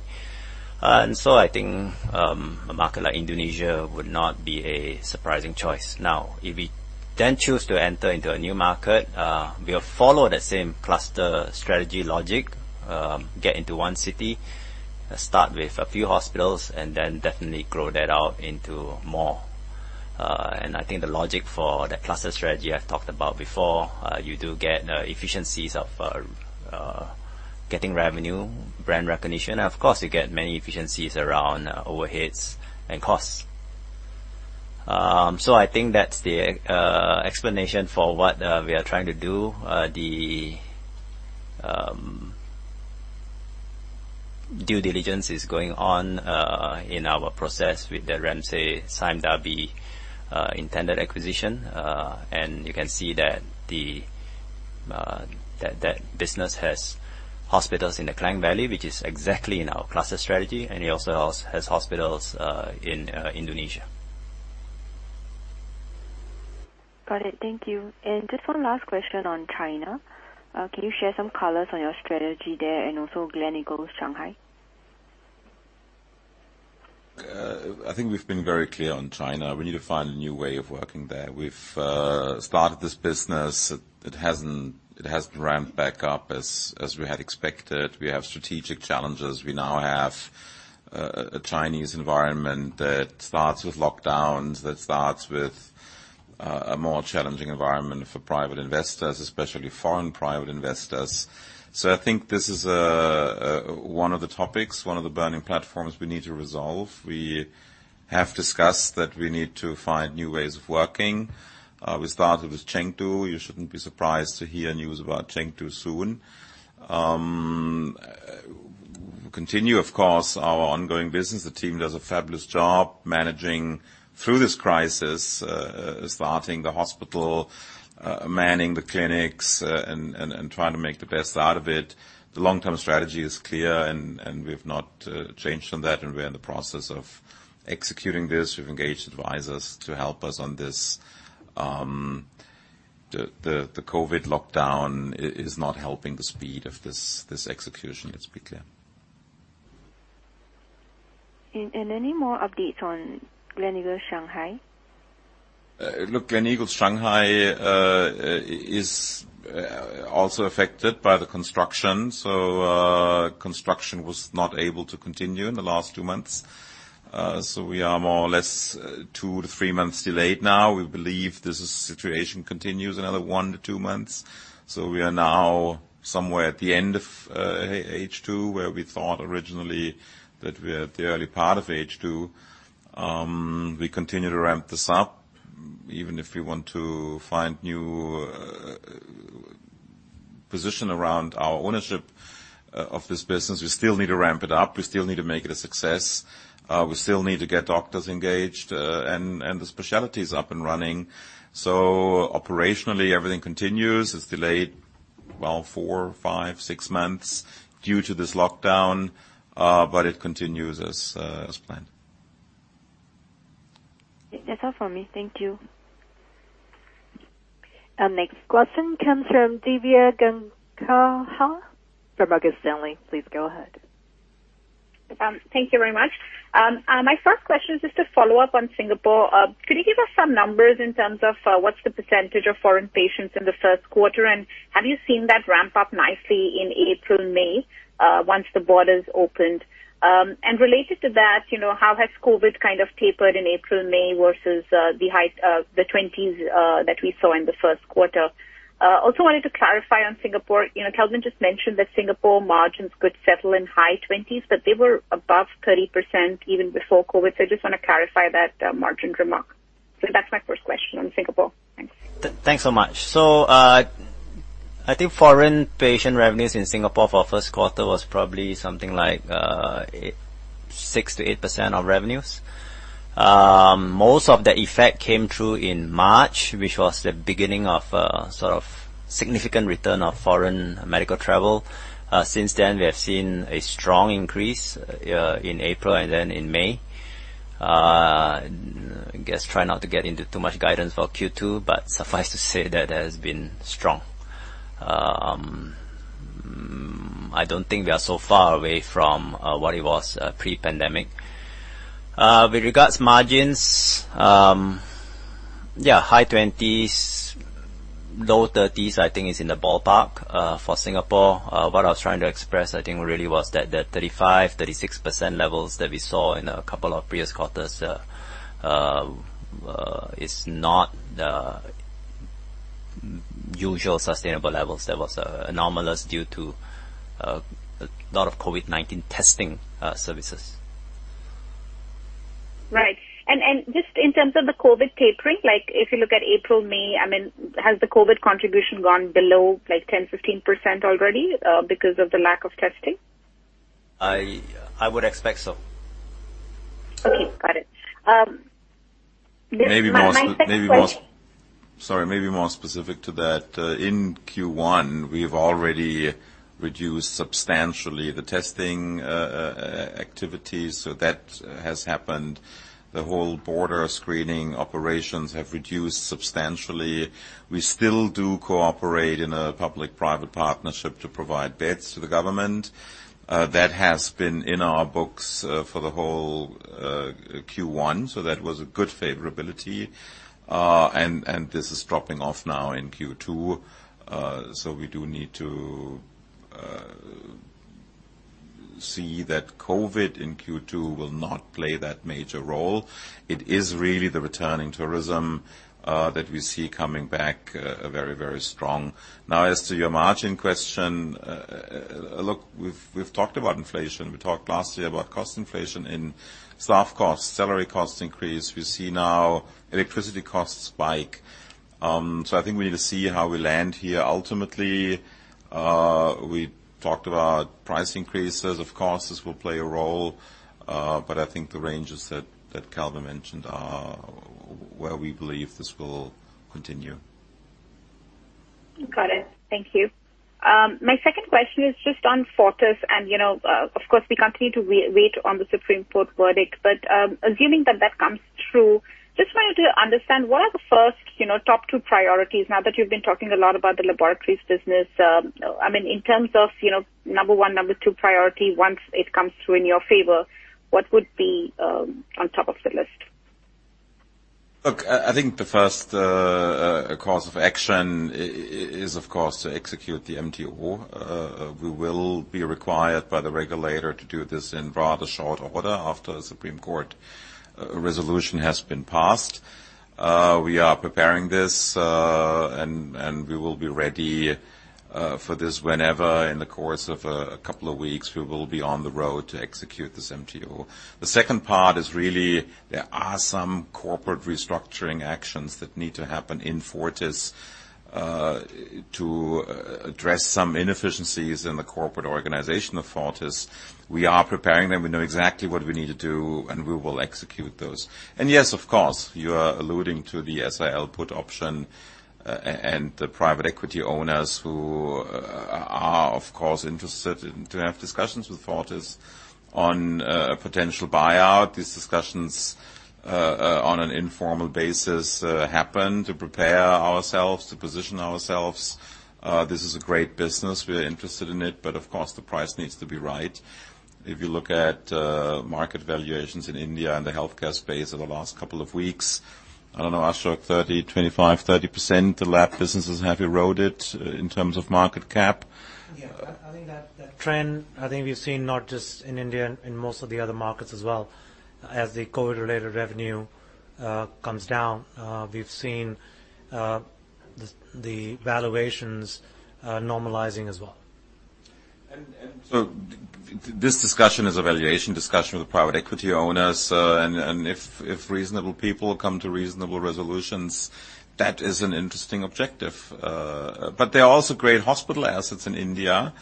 I think a market like Indonesia would not be a surprising choice. Now, if we then choose to enter into a new market, we'll follow the same Cluster Strategy logic. Get into one city, start with a few hospitals, and then definitely grow that out into more. I think the logic for the Cluster Strategy I've talked about before, you do get efficiencies of getting revenue, brand recognition. Of course, you get many efficiencies around overheads and costs. I think that's the explanation for what we are trying to do. The due diligence is going on in our process with the Ramsay Sime Darby intended acquisition. You can see that that business has hospitals in the Klang Valley, which is exactly in our Cluster Strategy. It also has hospitals in Indonesia. Got it. Thank you. Just one last question on China. Can you share some color on your strategy there and also Gleneagles Shanghai? I think we've been very clear on China. We need to find a new way of working there. We've started this business. It hasn't ramped back up as we had expected. We have strategic challenges. We now have a Chinese environment that starts with lockdowns, a more challenging environment for private investors, especially foreign private investors. I think this is one of the topics, one of the burning platforms we need to resolve. We have discussed that we need to find new ways of working. We started with Chengdu. You shouldn't be surprised to hear news about Chengdu soon. Continue, of course, our ongoing business. The team does a fabulous job managing through this crisis, starting the hospital, manning the clinics, and trying to make the best out of it. The long-term strategy is clear and we've not changed on that, and we're in the process of executing this. We've engaged advisors to help us on this. The COVID lockdown is not helping the speed of this execution. Let's be clear. Any more updates on Gleneagles Shanghai? Look, Gleneagles Shanghai is also affected by the construction. Construction was not able to continue in the last 2 months. We are more or less 2-3 months delayed now. We believe this situation continues another 1-2 months. We are now somewhere at the end of H2, where we thought originally that we're at the early part of H2. We continue to ramp this up. Even if we want to find new position around our ownership of this business, we still need to ramp it up. We still need to make it a success. We still need to get doctors engaged and the specialties up and running. Operationally, everything continues. It's delayed, well, 4-6 months due to this lockdown, but it continues as planned. That's all for me. Thank you. Our next question comes from Divya Gangahar Kothiyal from Morgan Stanley. Please go ahead. Thank you very much. My first question is just a follow-up on Singapore. Could you give us some numbers in terms of, what's the percentage of foreign patients in the first quarter? Have you seen that ramp up nicely in April, May, once the borders opened? Related to that, you know, how has COVID kind of tapered in April, May versus, the height of the 20s, that we saw in the first quarter? Also wanted to clarify on Singapore. You know, Kelvin just mentioned that Singapore margins could settle in high 20s, but they were above 30% even before COVID. I just wanna clarify that, margin remark. That's my first question on Singapore. Thanks. Thanks so much. I think foreign patient revenues in Singapore for first quarter was probably something like 6%-8% of revenues. Most of the effect came through in March, which was the beginning of sort of significant return of foreign medical travel. Since then, we have seen a strong increase in April and then in May. Guess try not to get into too much guidance for Q2, but suffice to say that it has been strong. I don't think we are so far away from what it was pre-pandemic. With regards margins, yeah, high 20s-low 30s%, I think is in the ballpark for Singapore. What I was trying to express, I think really was that the 35%-36% levels that we saw in a couple of previous quarters is not the usual sustainable levels. That was anomalous due to a lot of COVID-19 testing services. Just in terms of the COVID tapering, like if you look at April, May, I mean, has the COVID contribution gone below like 10% to 15% already, because of the lack of testing? I would expect so. Okay, got it. Maybe more. My second question. Sorry, maybe more specific to that. In Q1 we've already reduced substantially the testing activities. That has happened. The whole border screening operations have reduced substantially. We still do cooperate in a public-private partnership to provide beds to the government. That has been in our books for the whole Q1. That was a good favorability. This is dropping off now in Q2. We do need to see that COVID in Q2 will not play that major role. It is really the returning tourism that we see coming back very, very strong. Now, as to your margin question. Look, we've talked about inflation. We talked last year about cost inflation in staff costs, salary costs increase. We see now electricity costs spike. I think we need to see how we land here ultimately. We talked about price increases. Of course, this will play a role, but I think the ranges that Kelvin mentioned are where we believe this will continue. Got it. Thank you. My second question is just on Fortis and, you know, of course, we continue to wait on the Supreme Court verdict, but, assuming that that comes through, just wanted to understand what are the first, you know, top two priorities now that you've been talking a lot about the laboratories business. I mean, in terms of, you know, number one, number two priority, once it comes through in your favor, what would be on top of the list? Look, I think the first course of action is of course to execute the MTO. We will be required by the regulator to do this in rather short order after Supreme Court resolution has been passed. We are preparing this, and we will be ready for this whenever in the course of a couple of weeks, we will be on the road to execute this MTO. The second part is really there are some corporate restructuring actions that need to happen in Fortis to address some inefficiencies in the corporate organization of Fortis. We are preparing them. We know exactly what we need to do, and we will execute those. Yes, of course, you are alluding to the SRL put option and the private equity owners who are of course interested to have discussions with Fortis on a potential buyout. These discussions on an informal basis happen to prepare ourselves, to position ourselves. This is a great business. We are interested in it, but of course the price needs to be right. If you look at market valuations in India and the healthcare space over the last couple of weeks, I don't know, Ashok, 25%-30% the lab businesses have eroded in terms of market cap. Yeah. I think that trend, I think we've seen not just in India, in most of the other markets as well. As the COVID-related revenue comes down, we've seen the valuations normalizing as well. This discussion is a valuation discussion with the private equity owners. If reasonable people come to reasonable resolutions, that is an interesting objective. There are also great hospital assets in India.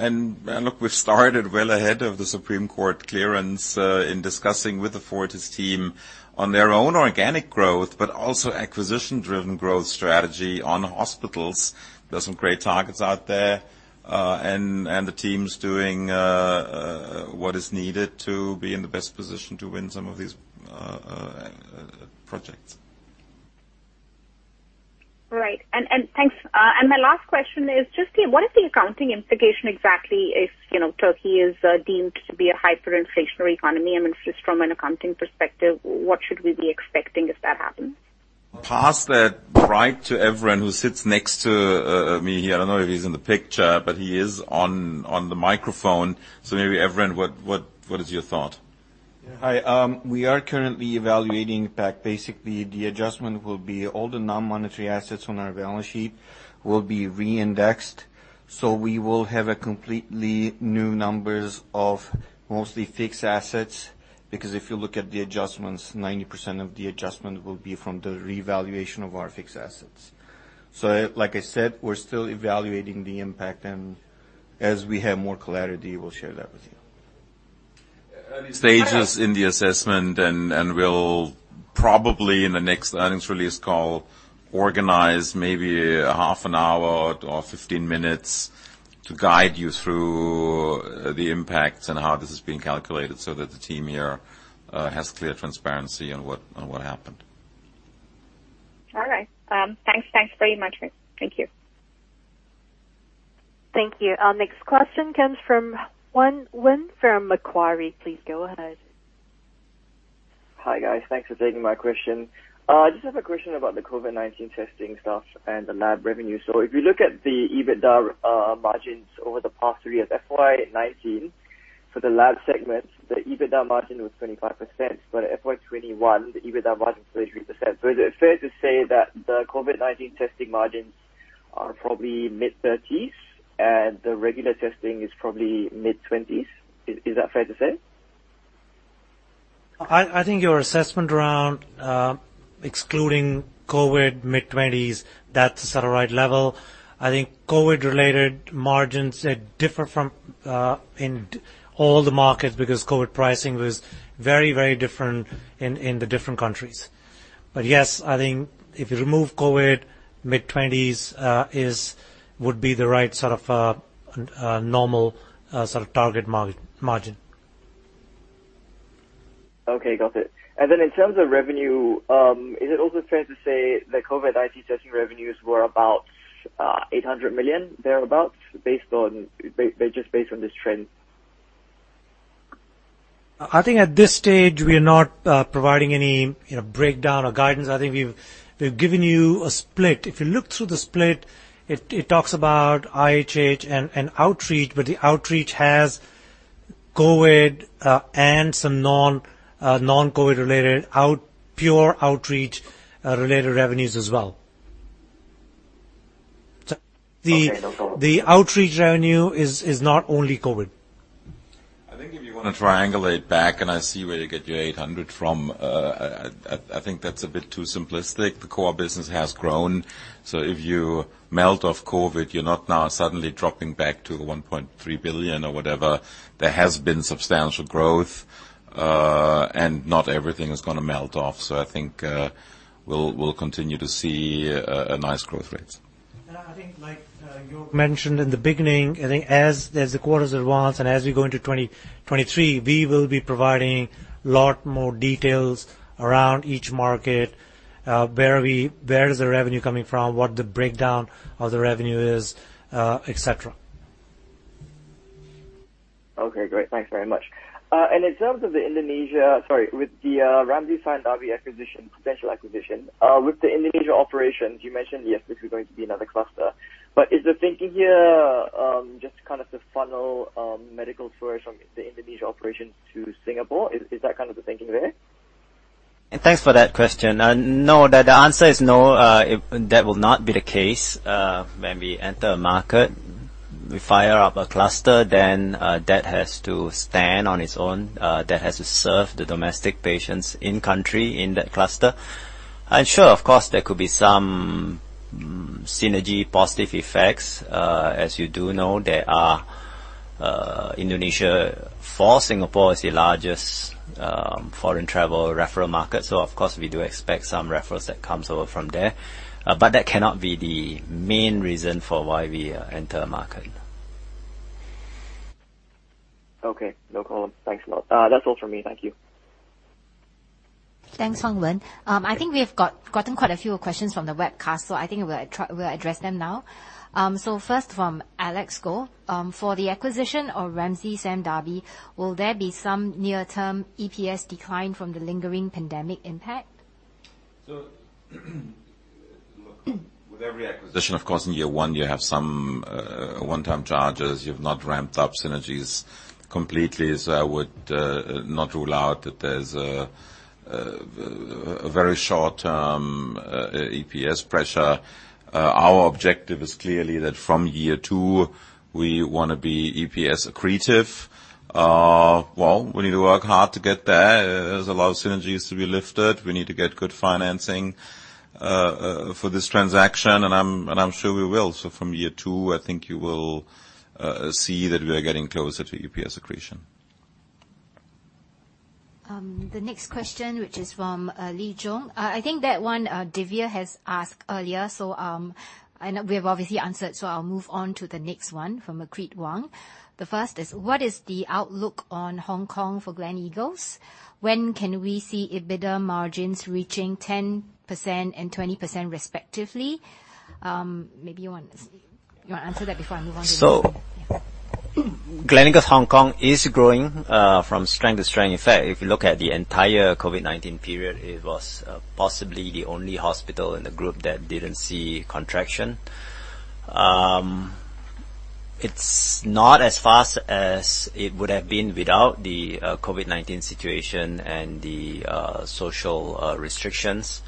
We've started well ahead of the Supreme Court clearance in discussing with the Fortis team on their own organic growth, but also acquisition-driven growth strategy on hospitals. There's some great targets out there. The team's doing what is needed to be in the best position to win some of these projects. Right. Thanks. My last question is just, what is the accounting implication exactly if, you know, Turkey is deemed to be a hyperinflationary economy? I mean, just from an accounting perspective, what should we be expecting if that happens? I'll pass that right to Evren, who sits next to me here. I don't know if he's in the picture, but he is on the microphone. Maybe Evren, what is your thought? We are currently evaluating that. Basically, the adjustment will be all the non-monetary assets on our balance sheet will be reindexed. We will have a completely new numbers of mostly fixed assets, because if you look at the adjustments, 90% of the adjustment will be from the revaluation of our fixed assets. Like I said, we're still evaluating the impact and as we have more clarity, we'll share that with you. Early stages in the assessment, and we'll probably in the next earnings release call, organize maybe a half an hour or 15 minutes to guide you through the impacts and how this is being calculated so that the team here has clear transparency on what happened. All right. Thanks. Thanks very much. Thank you. Thank you. Our next question comes from Wei Meen Foo from Macquarie. Please go ahead. Hi, guys. Thanks for taking my question. I just have a question about the COVID-19 testing stuff and the lab revenue. If you look at the EBITDA margins over the past three years, FY19 for the lab segment, the EBITDA margin was 25%, but FY21, the EBITDA margin is 33%. Is it fair to say that the COVID-19 testing margins are probably mid-thirties and the regular testing is probably mid-twenties? Is that fair to say? I think your assessment around excluding COVID mid-20s%, that's the sort of right level. I think COVID-related margins, they differ in all the markets because COVID pricing was very, very different in the different countries. Yes, I think if you remove COVID, mid-20s% would be the right sort of normal sort of target margin. Okay, got it. In terms of revenue, is it also fair to say that COVID IH testing revenues were about 800 million, thereabouts, just based on this trend? I think at this stage, we are not providing any, you know, breakdown or guidance. I think we've given you a split. If you look through the split, it talks about IHH and outreach, but the outreach has COVID and some non-COVID related pure outreach related revenues as well. Okay. No problem. The outreach revenue is not only COVID. I think if you wanna triangulate back, and I see where you get your 800 from, I think that's a bit too simplistic. The core business has grown, so if you melt off COVID, you're not now suddenly dropping back to 1.3 billion or whatever. There has been substantial growth, and not everything is gonna melt off. I think we'll continue to see a nice growth rates. I think like, Jörg mentioned in the beginning, I think as the quarters advance and as we go into 2023, we will be providing a lot more details around each market, where is the revenue coming from, what the breakdown of the revenue is, et cetera. Okay, great. Thanks very much. In terms of the Indonesia operations with the Ramsay Sime Darby acquisition, potential acquisition, with the Indonesia operations, you mentioned yes, this is going to be another cluster. Is the thinking here just to kind of funnel medical tourists from the Indonesia operations to Singapore? Is that kind of the thinking there? Thanks for that question. No. The answer is no. That will not be the case. When we enter a market, we fire up a cluster, then that has to stand on its own, that has to serve the domestic patients in country in that cluster. Sure, of course, there could be some synergy positive effects. As you do know, there are, Indonesia for Singapore is the largest foreign travel referral market. So of course, we do expect some referrals that comes over from there. But that cannot be the main reason for why we enter a market. Okay. No problem. Thanks a lot. That's all from me. Thank you. Thanks, Wei Meen Foo. I think we've gotten quite a few questions from the webcast, so I think we'll address them now. First from Alex Goh. For the acquisition of Ramsay Sime Darby, will there be some near-term EPS decline from the lingering pandemic impact? Look, with every acquisition, of course, in year one you have some one-time charges. You've not ramped up synergies completely, so I would not rule out that there's a very short-term EPS pressure. Our objective is clearly that from year two, we wanna be EPS accretive. Well, we need to work hard to get there. There's a lot of synergies to be lifted. We need to get good financing for this transaction, and I'm sure we will. From year two, I think you will see that we are getting closer to EPS accretion. The next question, which is from Lee Jong. I think that one Divya has asked earlier, so and we've obviously answered, so I'll move on to the next one from Makrit Wong. The first is, what is the outlook on Hong Kong for Gleneagles? When can we see EBITDA margins reaching 10% and 20% respectively? Maybe you wanna answer that before I move on to the next one. Gleneagles Hong Kong is growing from strength to strength. In fact, if you look at the entire COVID-19 period, it was possibly the only hospital in the Group that didn't see contraction. It's not as fast as it would have been without the COVID-19 situation and the social restrictions.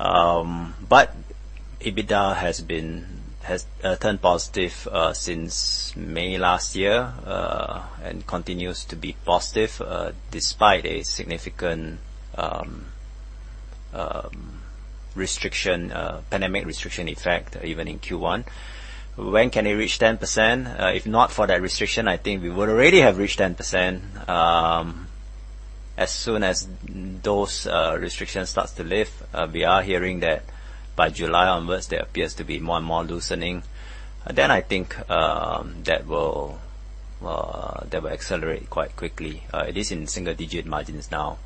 But EBITDA has turned positive since May last year and continues to be positive despite a significant pandemic restriction effect even in Q1. When can it reach 10%? If not for that restriction, I think we would already have reached 10% as soon as those restrictions starts to lift. We are hearing that by July onwards, there appears to be more and more loosening. I think that will accelerate quite quickly. It is in single-digit margins now,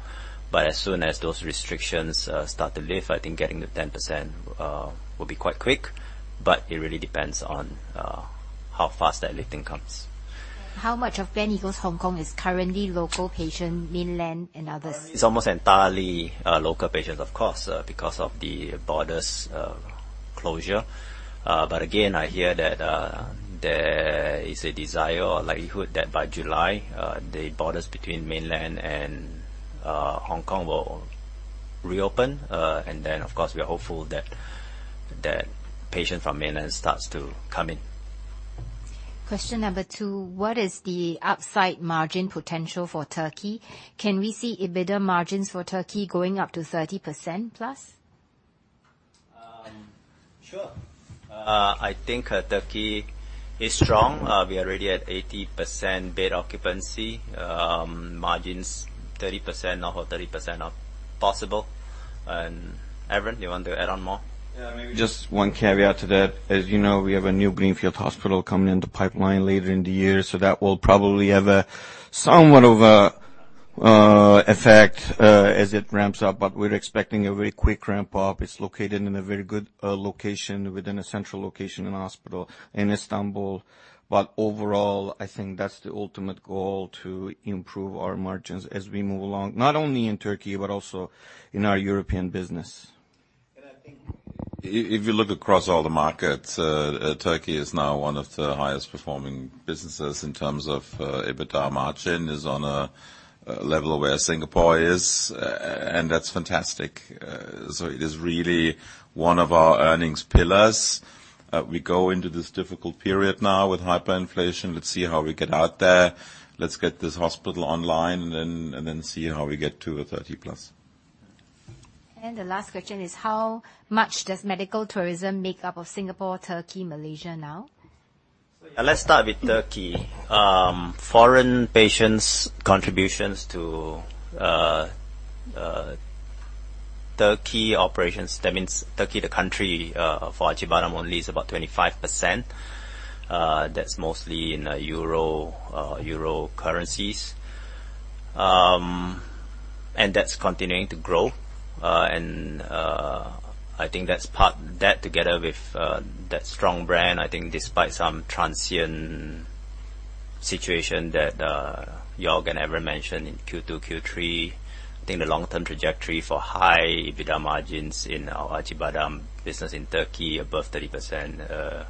but as soon as those restrictions start to lift, I think getting to 10% will be quite quick, but it really depends on how fast that lifting comes. How much of Gleneagles Hong Kong is currently local patient, mainland, and others? It's almost entirely local patients, of course, because of the borders closure. Again, I hear that there is a desire or likelihood that by July, the borders between mainland and Hong Kong will reopen. Then, of course, we are hopeful that patients from mainland starts to come in. Question number two, what is the upside margin potential for Turkey? Can we see EBITDA margins for Turkey going up to 30%+? Sure. I think Türkiye is strong. We are already at 80% bed occupancy. Margins 30% or over 30% are possible. Evren, do you want to add on more? Yeah, maybe just one caveat to that. As you know, we have a new greenfield hospital coming in the pipeline later in the year. That will probably have somewhat of an effect as it ramps up. We're expecting a very quick ramp up. It's located in a very good location, within a central location and hospital in Istanbul. Overall, I think that's the ultimate goal, to improve our margins as we move along, not only in Turkey, but also in our European business. I think. If you look across all the markets, Türkiye is now one of the highest performing businesses in terms of EBITDA margin. It is on a level where Singapore is, and that's fantastic. So it is really one of our earnings pillars. We go into this difficult period now with hyperinflation. Let's see how we get out there. Let's get this hospital online, and then see how we get to the 30%. The last question is, how much does medical tourism make up of Singapore, Turkey, Malaysia now? Let's start with Turkey. Foreign patients' contributions to Turkey operations, that means Turkey the country, for Acibadem only is about 25%. That's mostly in the euro currencies. That's continuing to grow. I think that's part that together with that strong brand, I think despite some transient situation that Jörg and Evren mentioned in Q2, Q3, I think the long-term trajectory for high EBITDA margins in our Acibadem business in Turkey above 30%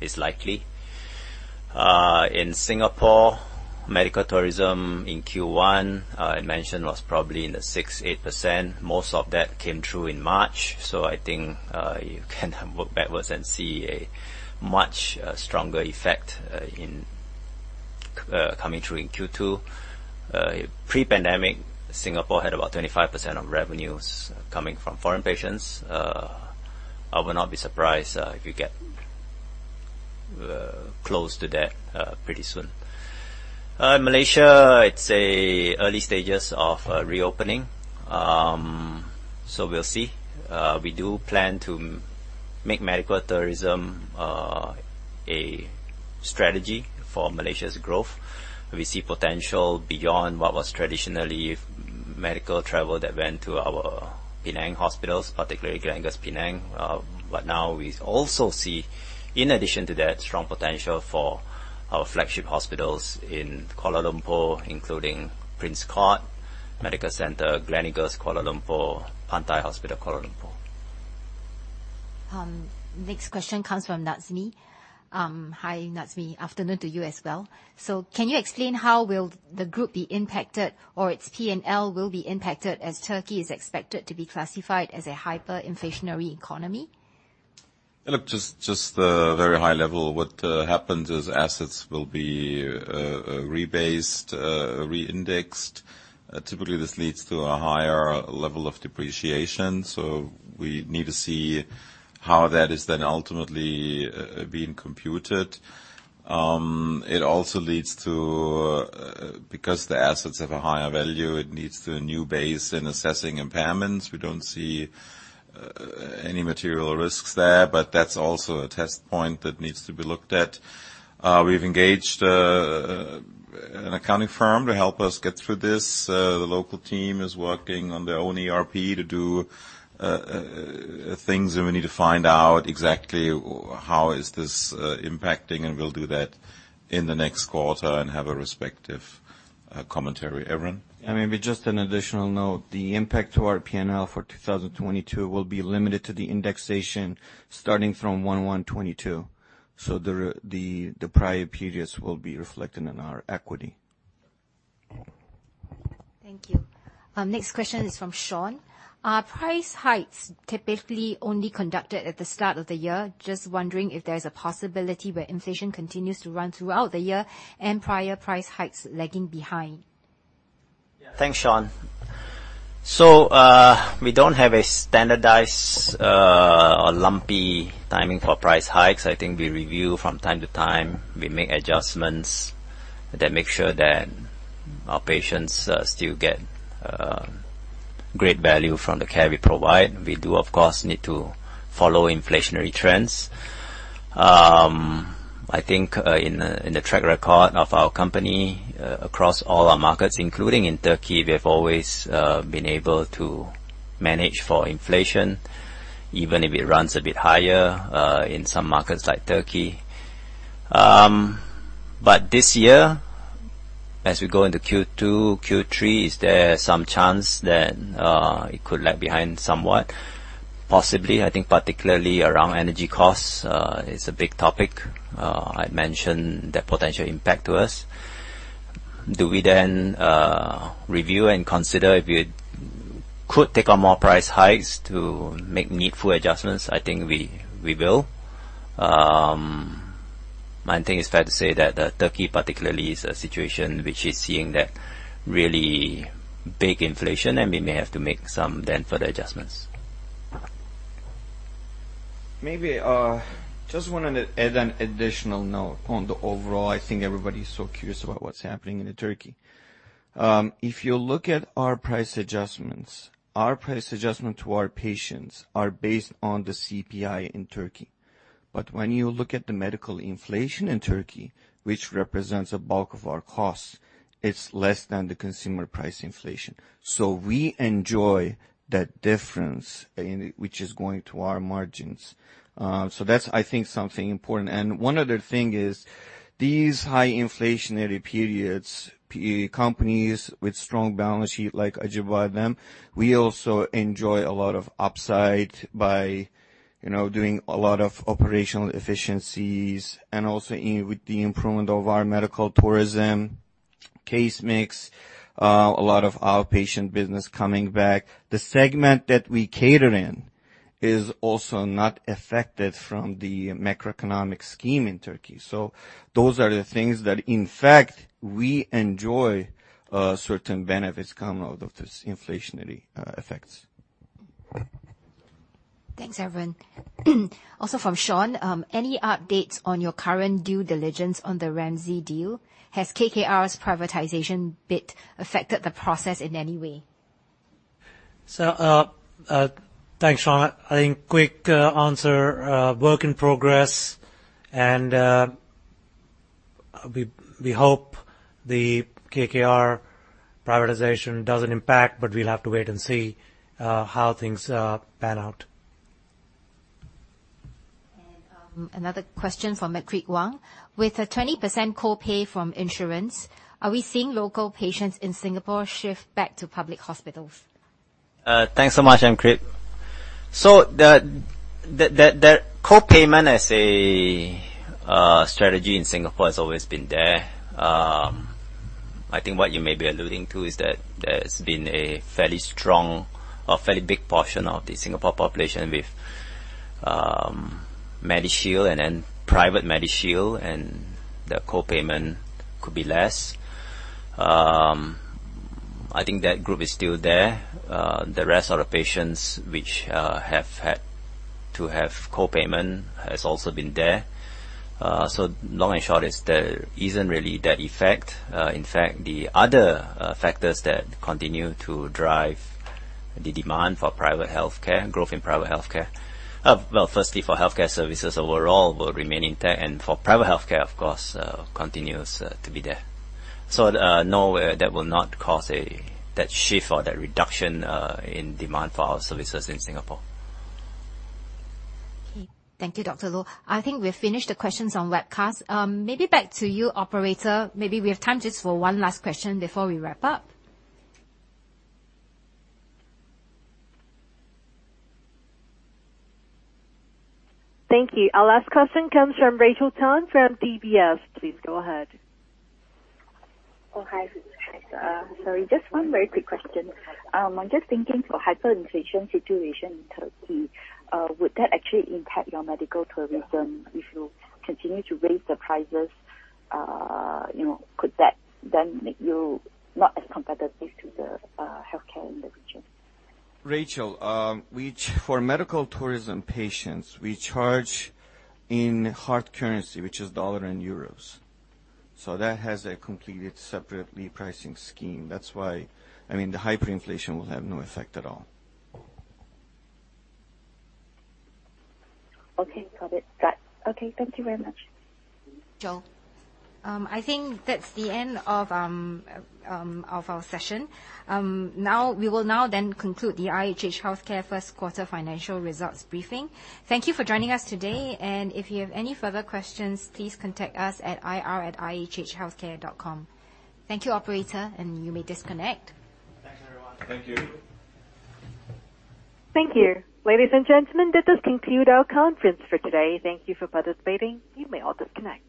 is likely. In Singapore, medical tourism in Q1 I mentioned was probably in the 6%-8%. Most of that came through in March, so I think you can look backwards and see a much stronger effect in coming through in Q2. Pre-pandemic, Singapore had about 25% of revenues coming from foreign patients. I would not be surprised if you get close to that pretty soon. In Malaysia, it's in the early stages of reopening. We'll see. We do plan to make medical tourism a strategy for Malaysia's growth. We see potential beyond what was traditionally medical travel that went to our Penang hospitals, particularly Gleneagles Penang. Now we also see, in addition to that, strong potential for our flagship hospitals in Kuala Lumpur, including Prince Court Medical Centre, Gleneagles Kuala Lumpur, Pantai Hospital Kuala Lumpur. Next question comes from Natsumi. Hi, Natsumi. Afternoon to you as well. Can you explain how will the Group be impacted or its P&L will be impacted as Turkey is expected to be classified as a hyperinflationary economy? Look, just very high level. What happens is assets will be rebased, re-indexed. Typically, this leads to a higher level of depreciation, so we need to see how that is then ultimately being computed. It also leads to, because the assets have a higher value, it leads to a new base in assessing impairments. We don't see any material risks there, but that's also a test point that needs to be looked at. We've engaged an accounting firm to help us get through this. The local team is working on their own ERP to do things that we need to find out exactly how is this impacting, and we'll do that in the next quarter and have a respective commentary. Evren? I mean, with just an additional note, the impact to our P&L for 2022 will be limited to the indexation starting from 1/1/2022. The prior periods will be reflected in our equity. Thank you. Next question is from Sean. Are price hikes typically only conducted at the start of the year? Just wondering if there's a possibility where inflation continues to run throughout the year and prior price hikes lagging behind. Yeah. Thanks, Sean. We don't have a standardized or lumpy timing for price hikes. I think we review from time to time. We make adjustments that make sure that our patients still get great value from the care we provide. We do, of course, need to follow inflationary trends. I think in the track record of our company across all our markets, including in Türkiye, we have always been able to manage for inflation, even if it runs a bit higher in some markets like Türkiye. This year, as we go into Q2, Q3, is there some chance that it could lag behind somewhat? Possibly. I think particularly around energy costs is a big topic. I mentioned the potential impact to us. Do we then review and consider if we could take on more price hikes to make needful adjustments? I think we will. I think it's fair to say that, Turkey particularly is a situation which is seeing that really big inflation, and we may have to make some then further adjustments. Maybe just want to add an additional note on the overall. I think everybody's so curious about what's happening in Turkey. If you look at our price adjustments, our price adjustment to our patients are based on the CPI in Turkey. But when you look at the medical inflation in Turkey, which represents a bulk of our costs, it's less than the consumer price inflation. So we enjoy that difference, which is going to our margins. So that's, I think, something important. One other thing is these high inflationary periods, companies with strong balance sheet like Acibadem, we also enjoy a lot of upside by, you know, doing a lot of operational efficiencies and also with the improvement of our medical tourism case mix, a lot of outpatient business coming back. The segment that we cater in is also not affected from the macroeconomic scene in Turkey. Those are the things that, in fact, we enjoy certain benefits come out of this inflationary effects. Thanks, everyone. Also from Sean, "Any updates on your current due diligence on the Ramsay deal? Has KKR's privatization bid affected the process in any way? Thanks, Sean. I think quick answer: work in progress. We hope the KKR privatization doesn't impact, but we'll have to wait and see how things pan out. another question from Makrit Wong: "With a 20% co-pay from insurance, are we seeing local patients in Singapore shift back to public hospitals? Thanks so much, Makrit. The co-payment as a strategy in Singapore has always been there. I think what you may be alluding to is that there's been a fairly strong or fairly big portion of the Singapore population with MediShield and then private MediShield, and the co-payment could be less. I think that Group is still there. The rest of the patients which have had to have co-payment has also been there. Long and short is there isn't really that effect. In fact, the other factors that continue to drive the demand for private healthcare, growth in private healthcare. Well, firstly, for healthcare services overall will remain intact, and for private healthcare, of course, continues to be there. No, that will not cause that shift or that reduction in demand for our services in Singapore. Okay. Thank you, Dr. Loh. I think we've finished the questions on webcast. Maybe back to you, operator. Maybe we have time just for one last question before we wrap up. Thank you. Our last question comes from Rachel Tan from DBS. Please go ahead. Oh, hi. Hi, sir. Just one very quick question. I'm just thinking for hyperinflation situation in Türkiye, would that actually impact your medical tourism if you continue to raise the prices? You know, could that then make you not as competitive to the healthcare in the region? Rachel, for medical tourism patients, we charge in hard currency, which is dollar and euros. That has a completely separate pricing scheme. That's why, I mean, the hyperinflation will have no effect at all. Okay, got it. Okay, thank you very much. Sure. I think that's the end of our session. Now, we will now then conclude the IHH Healthcare first quarter financial results briefing. Thank you for joining us today. If you have any further questions, please contact us at ir@ihhhealthcare.com. Thank you, operator, and you may disconnect. Thanks, everyone. Thank you. Thank you. Ladies and gentlemen, this concludes our conference for today. Thank you for participating. You may all disconnect.